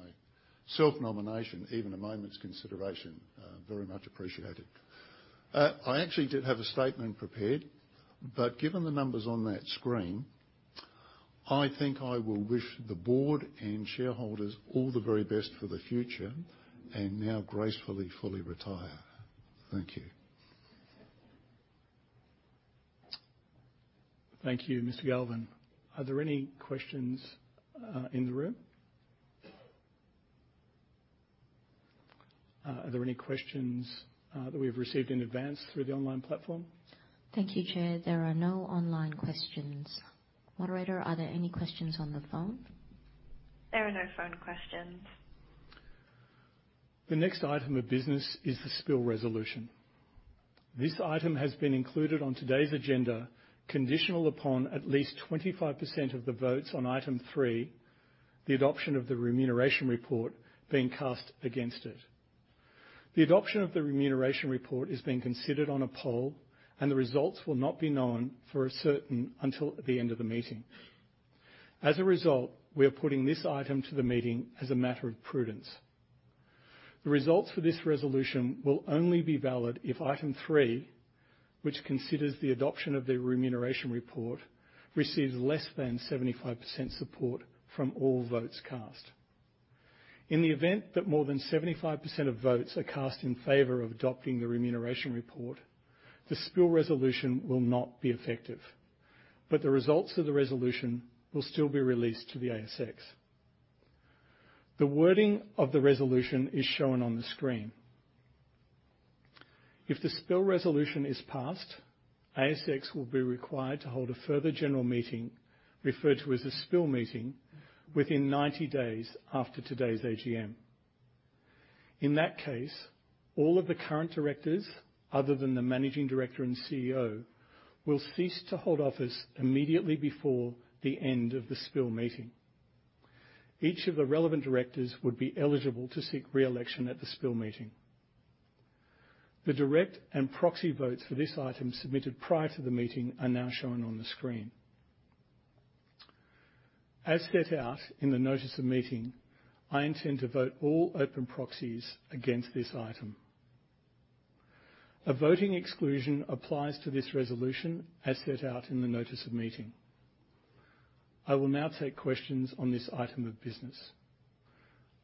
self-nomination even a moment's consideration. Very much appreciated. I actually did have a statement prepared, but given the numbers on that screen, I think I will wish the board and shareholders all the very best for the future, and now gracefully, fully retire. Thank you. Thank you, Mr. Galvin. Are there any questions in the room? Are there any questions that we've received in advance through the online platform? Thank you, Chair. There are no online questions. Moderator, are there any questions on the phone? There are no phone questions. The next item of business is the spill resolution. This item has been included on today's agenda, conditional upon at least 25% of the votes on item 3, the adoption of the remuneration report, being cast against it. The adoption of the remuneration report is being considered on a poll, and the results will not be known for certain until the end of the meeting. As a result, we are putting this item to the meeting as a matter of prudence. The results for this resolution will only be valid if item 3, which considers the adoption of the remuneration report, receives less than 75% support from all votes cast. In the event that more than 75% of votes are cast in favor of adopting the remuneration report, the spill resolution will not be effective, but the results of the resolution will still be released to the ASX. The wording of the resolution is shown on the screen. If the spill resolution is passed, ASX will be required to hold a further general meeting, referred to as a Spill Meeting, within 90 days after today's AGM. In that case, all of the current directors, other than the Managing Director and CEO, will cease to hold office immediately before the end of the Spill Meeting. Each of the relevant directors would be eligible to seek re-election at the Spill Meeting. The direct and proxy votes for this item submitted prior to the meeting are now shown on the screen. As set out in the notice of meeting, I intend to vote all open proxies against this item. A voting exclusion applies to this resolution as set out in the notice of meeting. I will now take questions on this item of business.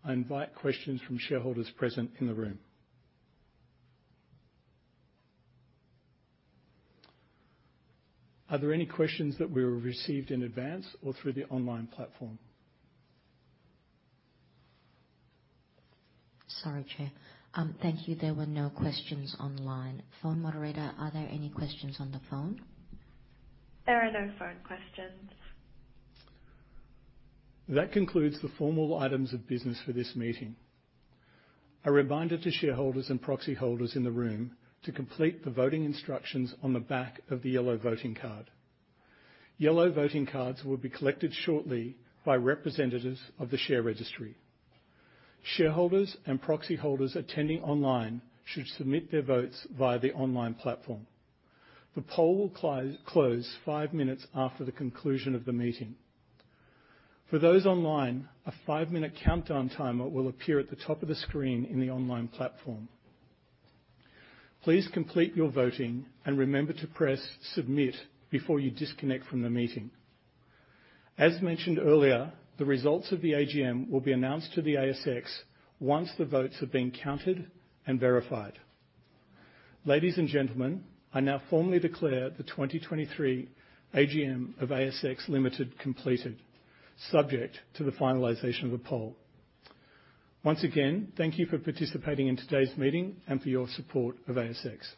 I invite questions from shareholders present in the room. Are there any questions that we received in advance or through the online platform? Sorry, Chair. Thank you. There were no questions online. Phone moderator, are there any questions on the phone? There are no phone questions. That concludes the formal items of business for this meeting. A reminder to shareholders and proxy holders in the room to complete the voting instructions on the back of the yellow voting card. Yellow voting cards will be collected shortly by representatives of the share registry. Shareholders and proxy holders attending online should submit their votes via the online platform. The poll will close five minutes after the conclusion of the meeting. For those online, a five-minute countdown timer will appear at the top of the screen in the online platform. Please complete your voting and remember to press Submit before you disconnect from the meeting. As mentioned earlier, the results of the AGM will be announced to the ASX once the votes have been counted and verified. Ladies and gentlemen, I now formally declare the 2023 AGM of ASX Limited completed, subject to the finalization of the poll. Once again, thank you for participating in today's meeting and for your support of ASX.